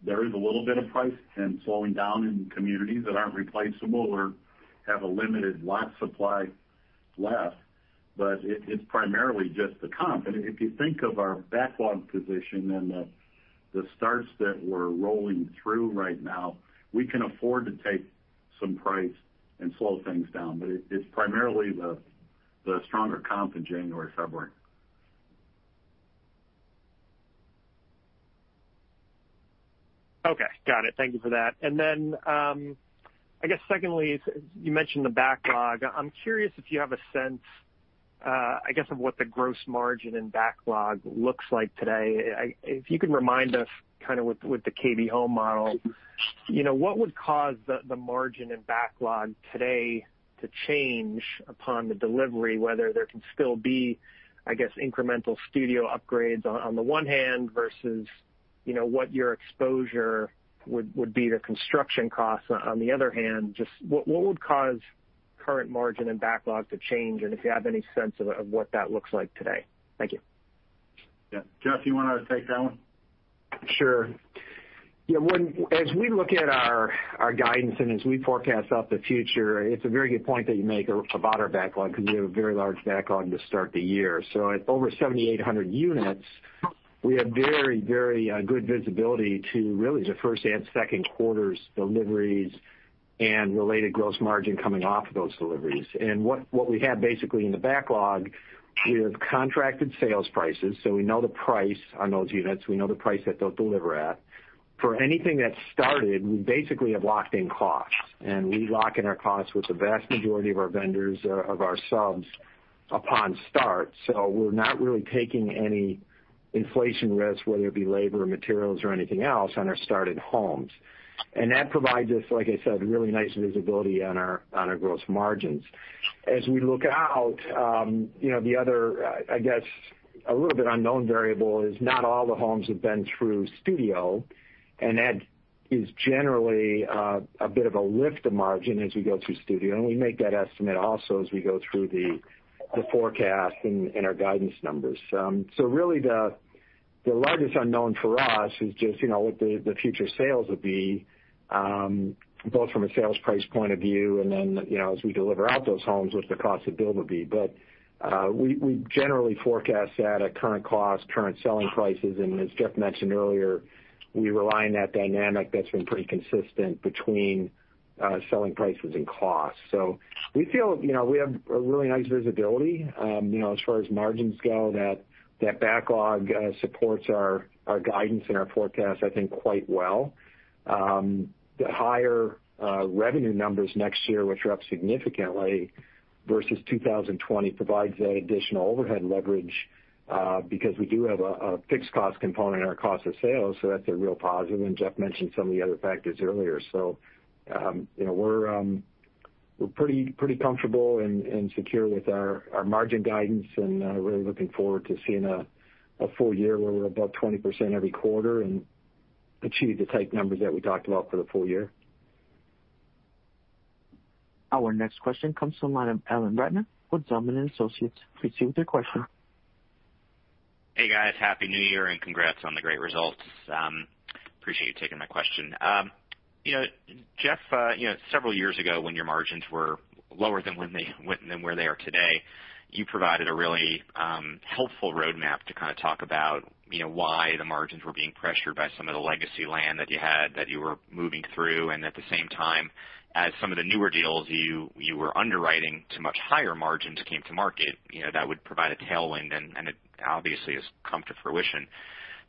There is a little bit of price and slowing down in communities that aren't replaceable or have a limited lot supply left, but it's primarily just the comp. If you think of our backlog position and the starts that we're rolling through right now, we can afford to take some price and slow things down. It's primarily the stronger comp in January and February. Okay. Got it. Thank you for that. Then I guess secondly, you mentioned the backlog. I'm curious if you have a sense, I guess, of what the gross margin and backlog looks like today. If you could remind us kind of with the KB Home model, what would cause the margin and backlog today to change upon the delivery, whether there can still be, I guess, incremental studio upgrades on the one hand versus what your exposure would be to construction costs on the other hand? Just what would cause current margin and backlog to change, and if you have any sense of what that looks like today? Thank you. Yeah. Jeff, do you want to take that one? Sure. Yeah. As we look at our guidance and as we forecast out the future, it's a very good point that you make about our backlog because we have a very large backlog to start the year. So at over 7,800 units, we have very, very good visibility to really the first and second quarters deliveries and related gross margin coming off of those deliveries. And what we have basically in the backlog, we have contracted sales prices. So we know the price on those units. We know the price that they'll deliver at. For anything that started, we basically have locked-in costs, and we lock in our costs with the vast majority of our vendors of our subs upon start. So we're not really taking any inflation risk, whether it be labor, materials, or anything else on our started homes. That provides us, like I said, really nice visibility on our gross margins. As we look out, the other, I guess, a little bit unknown variable is not all the homes have been through studio, and that is generally a bit of a lift of margin as we go through studio. We make that estimate also as we go through the forecast and our guidance numbers. Really, the largest unknown for us is just what the future sales will be, both from a sales price point of view and then as we deliver out those homes, what the cost of build will be. We generally forecast that at current cost, current selling prices. As Jeff mentioned earlier, we rely on that dynamic that's been pretty consistent between selling prices and costs. We feel we have a really nice visibility. As far as margins go, that backlog supports our guidance and our forecast, I think, quite well. The higher revenue numbers next year, which are up significantly versus 2020, provides that additional overhead leverage because we do have a fixed cost component in our cost of sales. So that's a real positive, and Jeff mentioned some of the other factors earlier, so we're pretty comfortable and secure with our margin guidance and really looking forward to seeing a full year where we're above 20% every quarter and achieve the type numbers that we talked about for the full year. Our next question comes from Alan Ratner with Zelman & Associates. Please go ahead with your question. Hey, guys. Happy New Year and congrats on the great results. Appreciate you taking my question. Jeff, several years ago, when your margins were lower than where they are today, you provided a really helpful roadmap to kind of talk about why the margins were being pressured by some of the legacy land that you had that you were moving through. And at the same time, as some of the newer deals you were underwriting to much higher margins came to market, that would provide a tailwind and obviously come to fruition.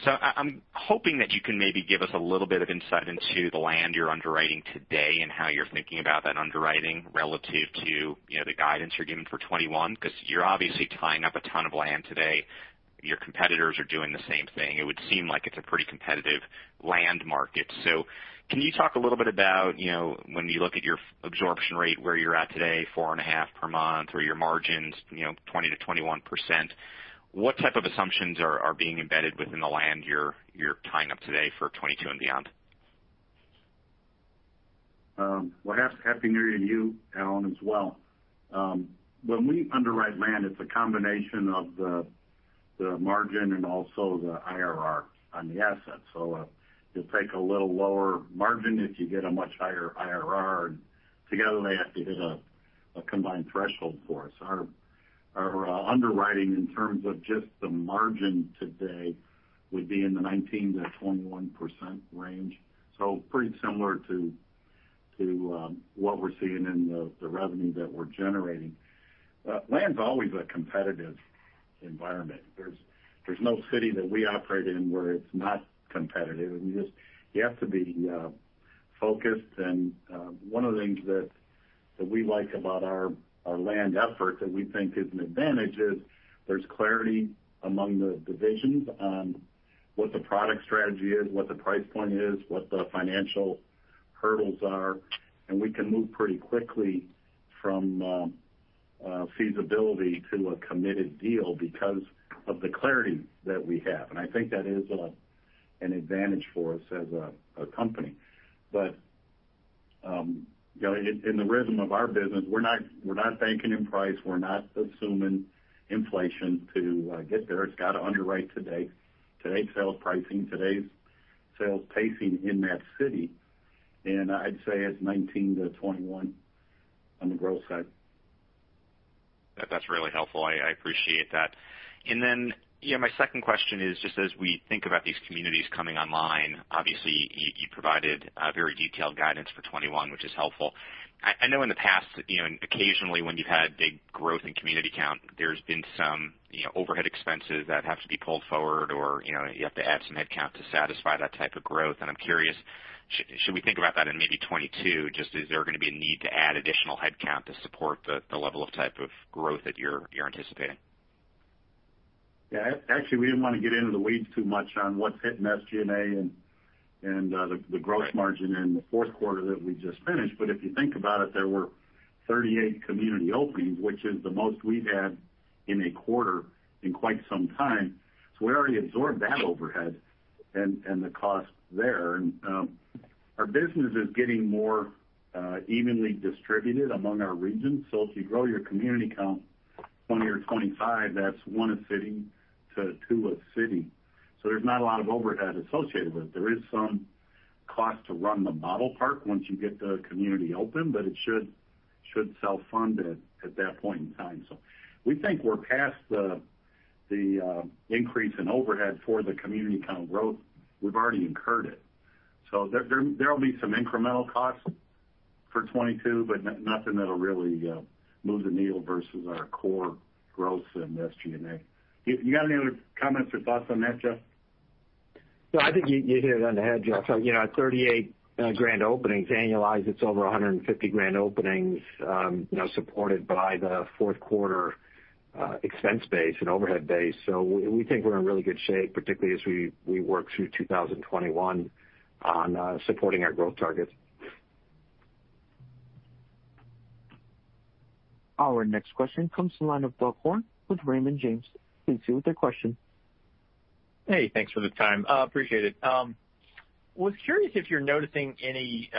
So I'm hoping that you can maybe give us a little bit of insight into the land you're underwriting today and how you're thinking about that underwriting relative to the guidance you're giving for 2021 because you're obviously tying up a ton of land today. Your competitors are doing the same thing. It would seem like it's a pretty competitive land market. So can you talk a little bit about when you look at your absorption rate where you're at today, four and a half per month, or your margins, 20%-21%, what type of assumptions are being embedded within the land you're tying up today for 2022 and beyond? Well, happy New Year to you, Alan, as well. When we underwrite land, it's a combination of the margin and also the IRR on the asset. So you'll take a little lower margin if you get a much higher IRR, and together they have to hit a combined threshold for us. Our underwriting in terms of just the margin today would be in the 19%-21% range. So pretty similar to what we're seeing in the revenue that we're generating. Land's always a competitive environment. There's no city that we operate in where it's not competitive. You have to be focused. And one of the things that we like about our land effort that we think is an advantage is there's clarity among the divisions on what the product strategy is, what the price point is, what the financial hurdles are. And we can move pretty quickly from feasibility to a committed deal because of the clarity that we have. And I think that is an advantage for us as a company. But in the rhythm of our business, we're not banking in price. We're not assuming inflation to get there. It's got to underwrite today's sales pricing, today's sales pacing in that city. And I'd say it's 19-21 on the growth side. That's really helpful. I appreciate that. And then my second question is just as we think about these communities coming online, obviously, you provided very detailed guidance for 2021, which is helpful. I know in the past, occasionally when you've had big growth in community count, there's been some overhead expenses that have to be pulled forward or you have to add some headcount to satisfy that type of growth. And I'm curious, should we think about that in maybe 2022? Just is there going to be a need to add additional headcount to support the level of type of growth that you're anticipating? Yeah. Actually, we didn't want to get into the weeds too much on what's hitting SG&A and the gross margin in the fourth quarter that we just finished. But if you think about it, there were 38 community openings, which is the most we've had in a quarter in quite some time. So we already absorbed that overhead and the cost there. Our business is getting more evenly distributed among our region. So if you grow your community count 20 or 25, that's one a city to two a city. So there's not a lot of overhead associated with it. There is some cost to run the model park once you get the community open, but it should self-fund at that point in time. So we think we're past the increase in overhead for the community kind of growth. We've already incurred it. So there will be some incremental costs for 2022, but nothing that'll really move the needle versus our core growth in SG&A. You got any other comments or thoughts on that, Jeff? No, I think you hit it on the head, Jeff. At 38 grand openings annualized, it's over 150 grand openings supported by the fourth quarter expense base and overhead base. So we think we're in really good shape, particularly as we work through 2021 on supporting our growth targets. Our next question comes from Buck Horne of Raymond James. Please go ahead with your question. Hey, thanks for the time. Appreciate it. Was curious if you're noticing any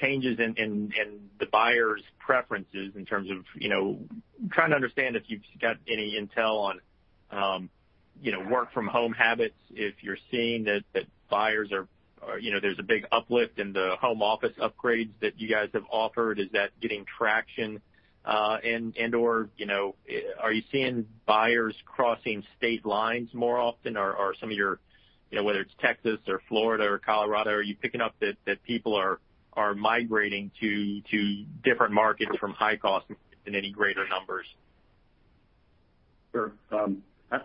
changes in the buyers' preferences in terms of trying to understand if you've got any intel on work-from-home habits, if you're seeing that buyers are, there's a big uplift in the home office upgrades that you guys have offered. Is that getting traction and/or are you seeing buyers crossing state lines more often? Are some of your, whether it's Texas or Florida or Colorado, are you picking up that people are migrating to different markets from high cost in any greater numbers? Sure.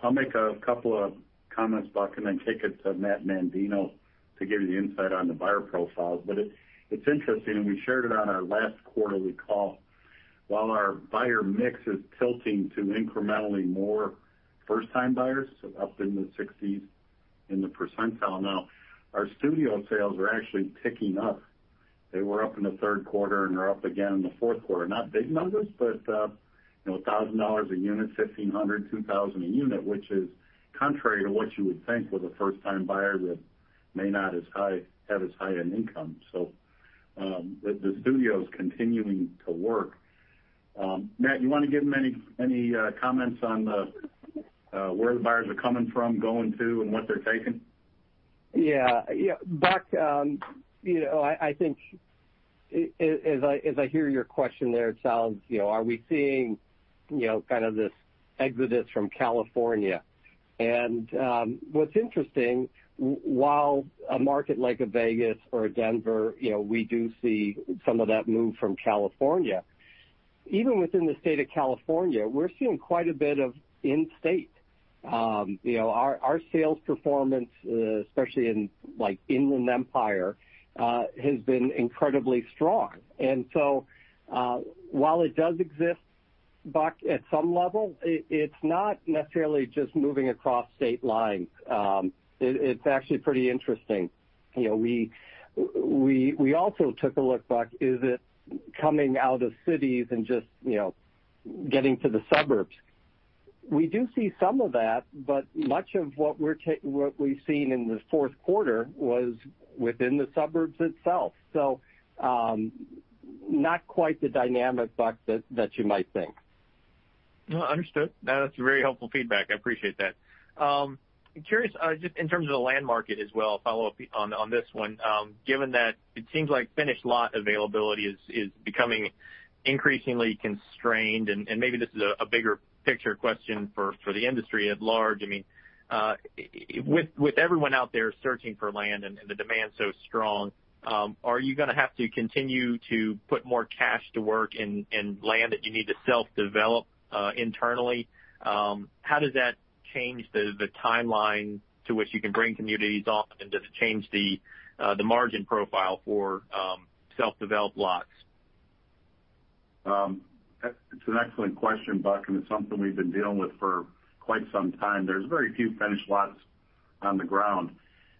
I'll make a couple of comments, but I can then take it to Matt Mandino to give you the insight on the buyer profiles. But it's interesting, and we shared it on our last quarterly call. While our buyer mix is tilting to incrementally more first-time buyers, so up in the 60s in the percentile now, our studio sales are actually ticking up. They were up in the third quarter, and they're up again in the fourth quarter. Not big numbers, but $1,000 a unit, $1,500, $2,000 a unit, which is contrary to what you would think with a first-time buyer that may not have as high an income. So the studio is continuing to work. Matt, you want to give them any comments on where the buyers are coming from, going to, and what they're taking? Yeah. Yeah. Buck I think as I hear your question there, it sounds, are we seeing kind of this exodus from California? And what's interesting, while a market like Las Vegas or Denver, we do see some of that move from California. Even within the state of California, we're seeing quite a bit of in-state. Our sales performance, especially in Inland Empire, has been incredibly strong. And so while it does exist at some level, it's not necessarily just moving across state lines. It's actually pretty interesting. We also took a look, Buck, is it coming out of cities and just getting to the suburbs? We do see some of that, but much of what we've seen in the fourth quarter was within the suburbs itself. So not quite the dynamic, Buck, that you might think. Understood. That's very helpful feedback. I appreciate that. Curious, just in terms of the land market as well, follow-up on this one. Given that it seems like finished lot availability is becoming increasingly constrained, and maybe this is a bigger picture question for the industry at large. I mean, with everyone out there searching for land and the demand so strong, are you going to have to continue to put more cash to work in land that you need to self-develop internally? How does that change the timeline to which you can bring communities off, and does it change the margin profile for self-developed lots? It's an excellent question, Buck, and it's something we've been dealing with for quite some time. There's very few finished lots on the ground.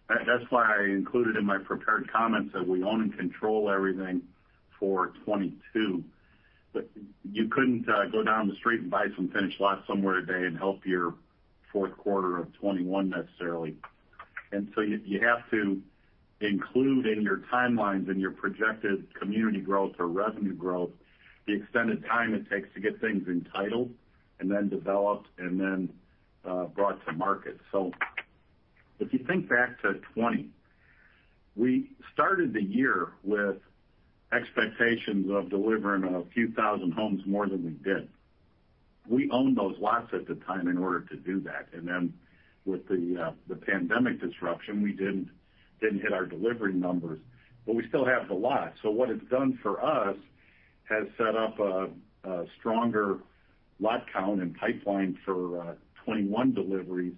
That's why I included in my prepared comments that we own and control everything for 2022. But you couldn't go down the street and buy some finished lots somewhere today and help your fourth quarter of 2021 necessarily. And so you have to include in your timelines and your projected community growth or revenue growth the extended time it takes to get things entitled and then developed and then brought to market. So if you think back to 2020, we started the year with expectations of delivering a few thousand homes more than we did. We owned those lots at the time in order to do that. And then with the pandemic disruption, we didn't hit our delivery numbers, but we still have the lot. So what it's done for us has set up a stronger lot count and pipeline for 2021 deliveries.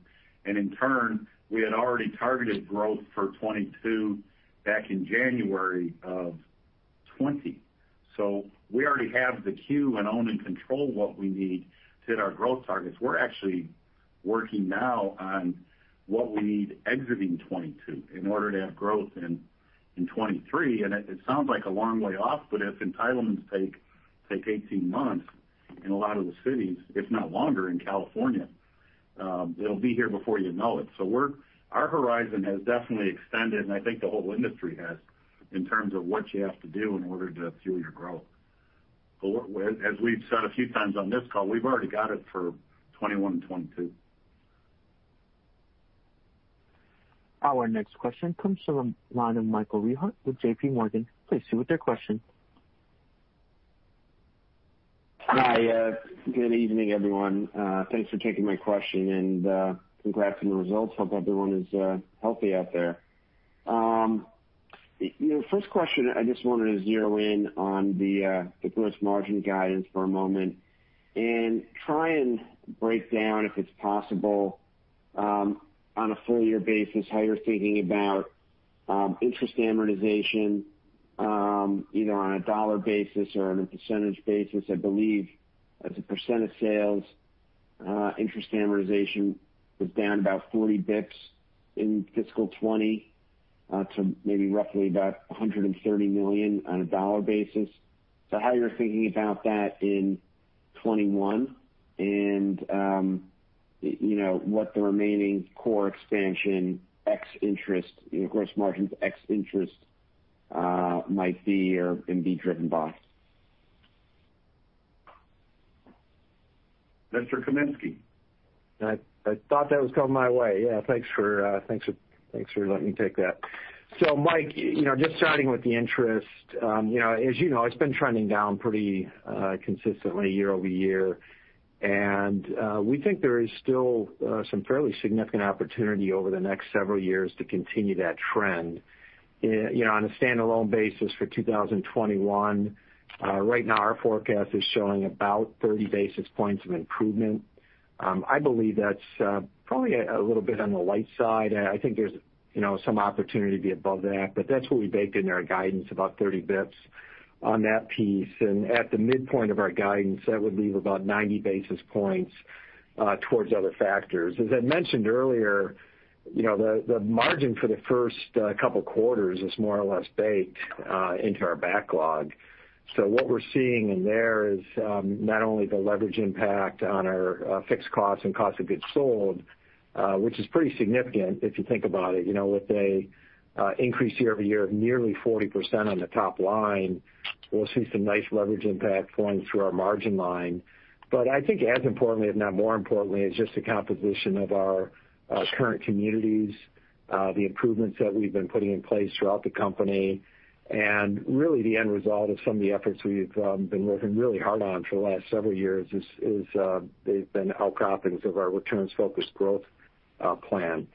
And in turn, we had already targeted growth for 2022 back in January of 2020. So we already have the lots we own and control what we need to hit our growth targets. We're actually working now on what we need exiting 2022 in order to have growth in 2023. And it sounds like a long way off, but if entitlements take 18 months in a lot of the cities, if not longer in California, it'll be here before you know it. So our horizon has definitely extended, and I think the whole industry has in terms of what you have to do in order to fuel your growth. But as we've said a few times on this call, we've already got it for 2021 and 2022. Our next question comes from Michael Rehaut with J.P. Morgan. Please go ahead with your question. Hi. Good evening, everyone. Thanks for taking my question and congrats on the results. Hope everyone is healthy out there. First question, I just wanted to zero in on the gross margin guidance for a moment and try and break down, if it's possible, on a full-year basis how you're thinking about interest amortization either on a dollar basis or on a percentage basis. I believe as a percent of sales, interest amortization was down about 40 basis points in fiscal 2020 to maybe roughly about $130 million on a dollar basis. So how you're thinking about that in 2021 and what the remaining core expansion ex-interest, gross margin ex-interest might be and be driven by. Mr. Kaminski. I thought that was coming my way. Yeah. Thanks for letting me take that. So Mike, just starting with the interest, as you know, it's been trending down pretty consistently year over year. And we think there is still some fairly significant opportunity over the next several years to continue that trend. On a standalone basis for 2021, right now our forecast is showing about 30 basis points of improvement. I believe that's probably a little bit on the light side. I think there's some opportunity to be above that, but that's what we baked in our guidance, about 30 basis points on that piece. And at the midpoint of our guidance, that would leave about 90 basis points towards other factors. As I mentioned earlier, the margin for the first couple of quarters is more or less baked into our backlog. So what we're seeing in there is not only the leverage impact on our fixed costs and cost of goods sold, which is pretty significant if you think about it. With an increase year over year of nearly 40% on the top line, we'll see some nice leverage impact going through our margin line, but I think as importantly, if not more importantly, is just the composition of our current communities, the improvements that we've been putting in place throughout the company, and really the end result of some of the efforts we've been working really hard on for the last several years is they've been outcroppings of our returns-focused growth plan,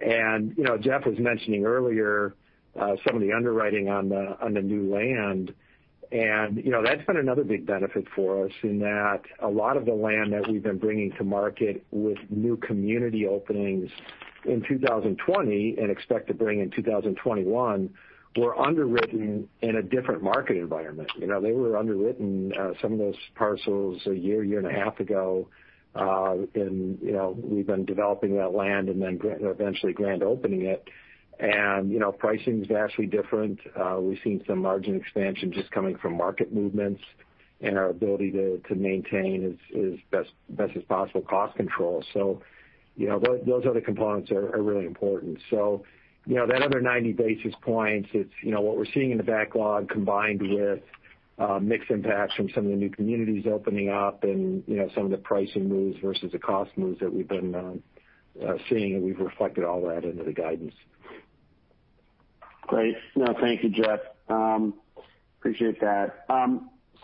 and Jeff was mentioning earlier some of the underwriting on the new land, and that's been another big benefit for us in that a lot of the land that we've been bringing to market with new community openings in 2020 and expect to bring in 2021 were underwritten in a different market environment. They were underwritten some of those parcels a year, year and a half ago. We've been developing that land and then eventually grand opening it. Pricing is vastly different. We've seen some margin expansion just coming from market movements and our ability to maintain as best as possible cost control. Those other components are really important. That other 90 basis points, it's what we're seeing in the backlog combined with mixed impacts from some of the new communities opening up and some of the pricing moves versus the cost moves that we've been seeing. We've reflected all that into the guidance. Great. No, thank you, Jeff. Appreciate that.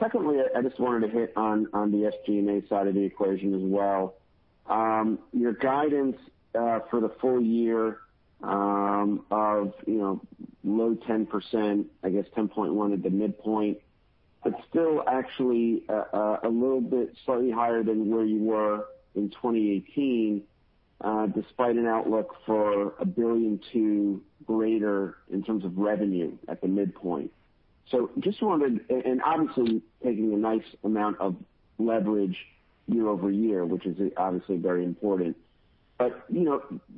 Secondly, I just wanted to hit on the SG&A side of the equation as well. Your guidance for the full year of low 10%, I guess 10.1% at the midpoint, but still actually a little bit slightly higher than where you were in 2018, despite an outlook for six billion or greater in terms of revenue at the midpoint. So just wanted to, and obviously taking a nice amount of leverage year over year, which is obviously very important. But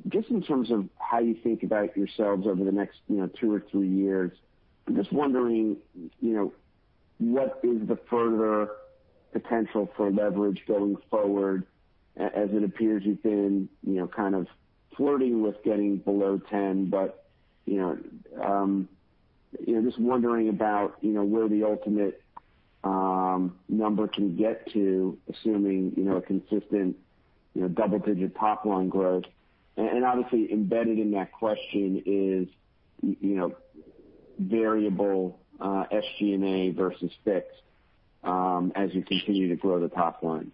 just in terms of how you think about yourselves over the next two or three years, I'm just wondering what is the further potential for leverage going forward as it appears you've been kind of flirting with getting below 10%, but just wondering about where the ultimate number can get to, assuming a consistent double-digit top line growth. And obviously embedded in that question is variable SG&A versus fixed as you continue to grow the top line.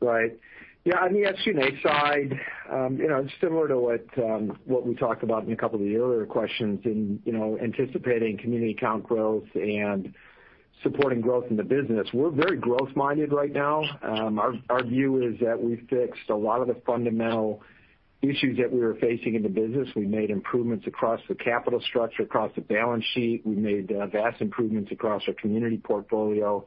Right. Yeah. On the SG&A side, similar to what we talked about in a couple of the earlier questions in anticipating community count growth and supporting growth in the business, we're very growth-minded right now. Our view is that we fixed a lot of the fundamental issues that we were facing in the business. We made improvements across the capital structure, across the balance sheet. We made vast improvements across our community portfolio.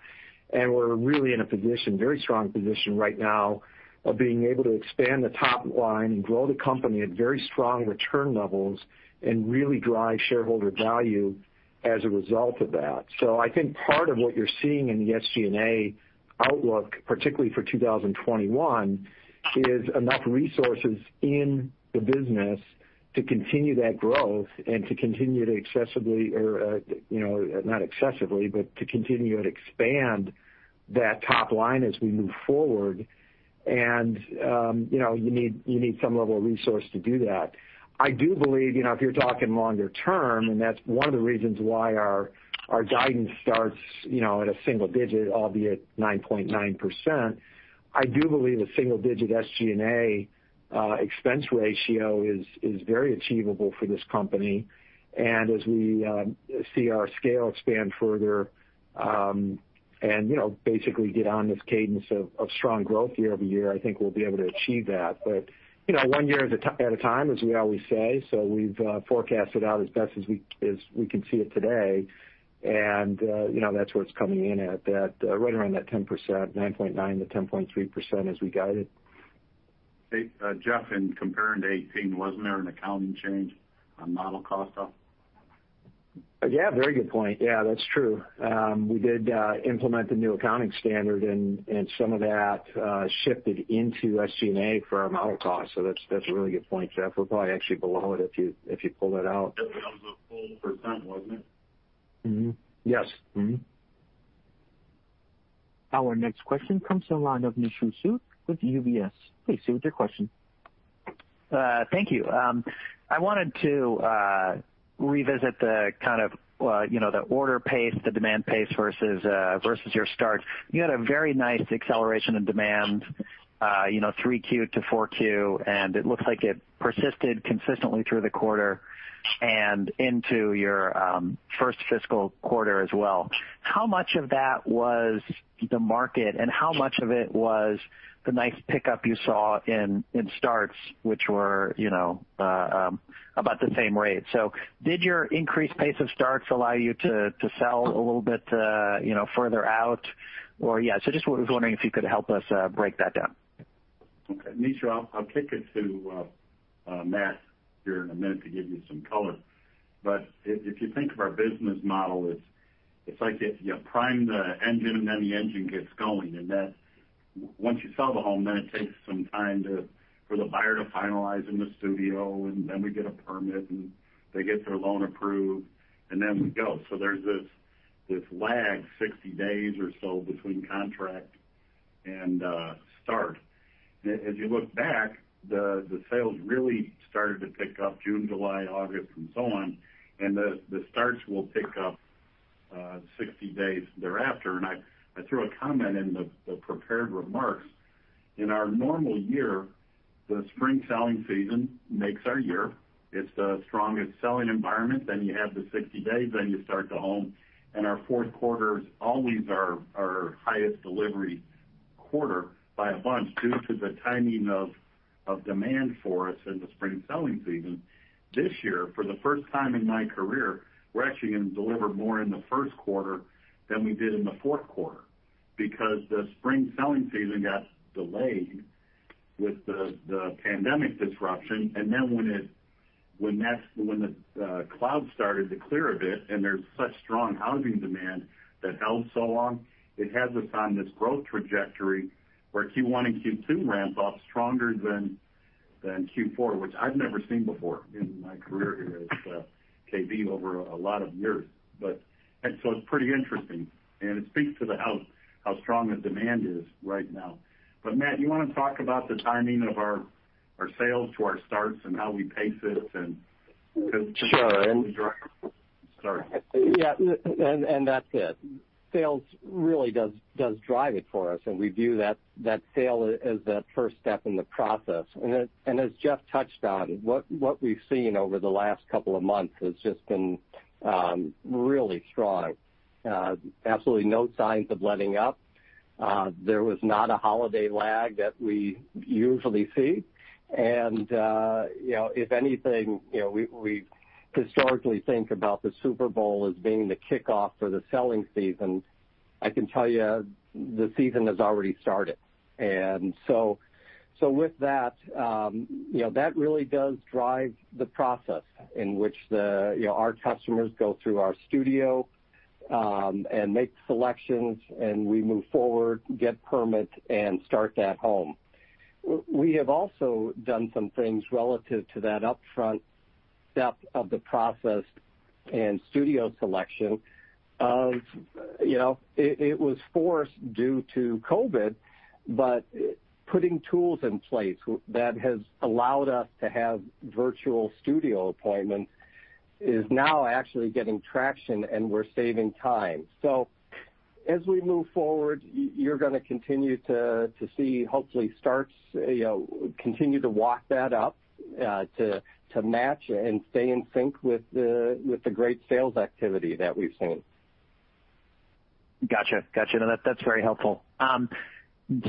And we're really in a position, very strong position right now of being able to expand the top line and grow the company at very strong return levels and really drive shareholder value as a result of that. So I think part of what you're seeing in the SG&A outlook, particularly for 2021, is enough resources in the business to continue that growth and to continue to excessively or not excessively, but to continue to expand that top line as we move forward, and you need some level of resource to do that. I do believe if you're talking longer term, and that's one of the reasons why our guidance starts at a single-digit, albeit 9.9%, I do believe a single-digit SG&A expense ratio is very achievable for this company, and as we see our scale expand further and basically get on this cadence of strong growth year over year, I think we'll be able to achieve that, but one year at a time, as we always say, so we've forecasted out as best as we can see it today. That's where it's coming in at, right around that 10%, 9.9%-10.3% as we guide it. Jeff, in comparing to 2018, wasn't there an accounting change on model cost though? Yeah. Very good point. Yeah, that's true. We did implement the new accounting standard, and some of that shifted into SG&A for our model cost. So that's a really good point, Jeff. We're probably actually below it if you pull that out. That was a full percent, wasn't it? Yes. Our next question comes from the line of Nishu Sood with UBS. Please go ahead with your question. Thank you. I wanted to revisit the kind of order pace, the demand pace versus your start. You had a very nice acceleration in demand, 3Q to 4Q, and it looks like it persisted consistently through the quarter and into your first fiscal quarter as well. How much of that was the market, and how much of it was the nice pickup you saw in starts, which were about the same rate? So did your increased pace of starts allow you to sell a little bit further out? Or yeah, so just was wondering if you could help us break that down. Okay. Nishu, I'll kick it to Matt here in a minute to give you some color. But if you think of our business model, it's like you prime the engine, and then the engine gets going. And once you sell the home, then it takes some time for the buyer to finalize in the studio, and then we get a permit, and they get their loan approved, and then we go. So there's this lag, 60 days or so between contract and start. As you look back, the sales really started to pick up June, July, August, and so on. And the starts will pick up 60 days thereafter. And I threw a comment in the prepared remarks. In our normal year, the spring selling season makes our year. It's the strongest selling environment. Then you have the 60 days, then you start the home. And our fourth quarter is always our highest delivery quarter by a bunch due to the timing of demand for us in the spring selling season. This year, for the first time in my career, we're actually going to deliver more in the first quarter than we did in the fourth quarter because the spring selling season got delayed with the pandemic disruption. And then, when the cloud started to clear a bit and there's such strong housing demand that held so long, it has us on this growth trajectory where Q1 and Q2 ramp up stronger than Q4, which I've never seen before in my career here at KB over a lot of years. And so it's pretty interesting. And it speaks to how strong the demand is right now. But Matt, you want to talk about the timing of our sales to our starts and how we pace it and because the driver. Sure. And that's it. Sales really does drive it for us. And we view that sale as that first step in the process. And as Jeff touched on, what we've seen over the last couple of months has just been really strong. Absolutely no signs of letting up. There was not a holiday lag that we usually see. If anything, we historically think about the Super Bowl as being the kickoff for the selling season. I can tell you the season has already started. So with that, that really does drive the process in which our customers go through our studio and make selections, and we move forward, get permit, and start that home. We have also done some things relative to that upfront step of the process and studio selection. It was forced due to COVID, but putting tools in place that has allowed us to have virtual studio appointments is now actually getting traction, and we're saving time. As we move forward, you're going to continue to see, hopefully, starts continue to walk that up to match and stay in sync with the great sales activity that we've seen. Gotcha. Gotcha. No, that's very helpful.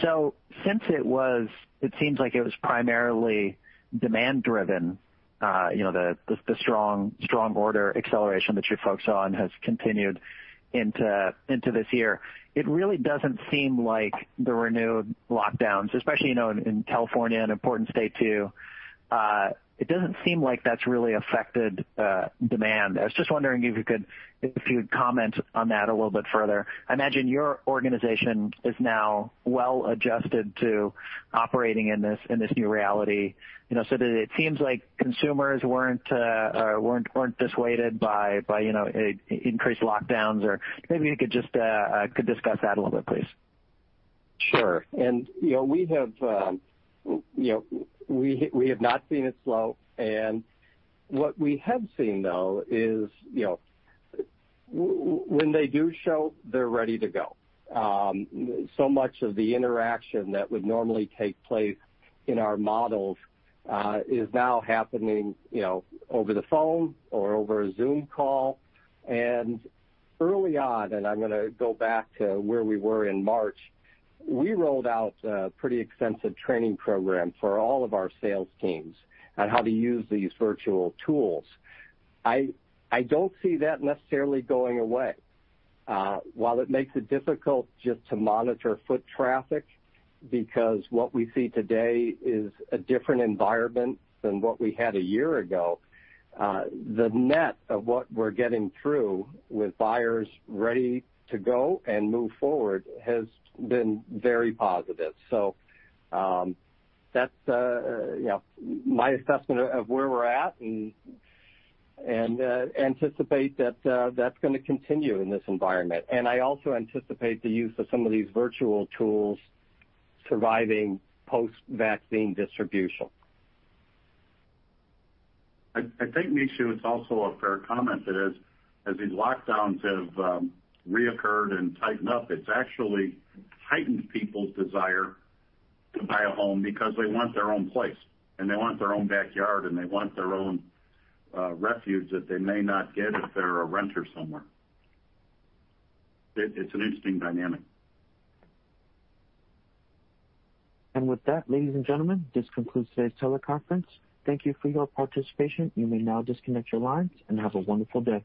So since it seems like it was primarily demand-driven, the strong order acceleration that you focused on has continued into this year. It really doesn't seem like the renewed lockdowns, especially in California, an important state too. It doesn't seem like that's really affected demand. I was just wondering if you could comment on that a little bit further. I imagine your organization is now well adjusted to operating in this new reality so that it seems like consumers weren't dissuaded by increased lockdowns. Or maybe we could just discuss that a little bit, please. Sure. And we have not seen it slow. And what we have seen, though, is when they do show, they're ready to go. So much of the interaction that would normally take place in our models is now happening over the phone or over a Zoom call. Early on, and I'm going to go back to where we were in March, we rolled out a pretty extensive training program for all of our sales teams on how to use these virtual tools. I don't see that necessarily going away. While it makes it difficult just to monitor foot traffic because what we see today is a different environment than what we had a year ago, the net of what we're getting through with buyers ready to go and move forward has been very positive. That's my assessment of where we're at and anticipate that that's going to continue in this environment. I also anticipate the use of some of these virtual tools surviving post-vaccine distribution. I think, Nishu, it's also a fair comment that as these lockdowns have reoccurred and tightened up, it's actually heightened people's desire to buy a home because they want their own place, and they want their own backyard, and they want their own refuge that they may not get if they're a renter somewhere. It's an interesting dynamic. And with that, ladies and gentlemen, this concludes today's teleconference. Thank you for your participation. You may now disconnect your lines and have a wonderful day.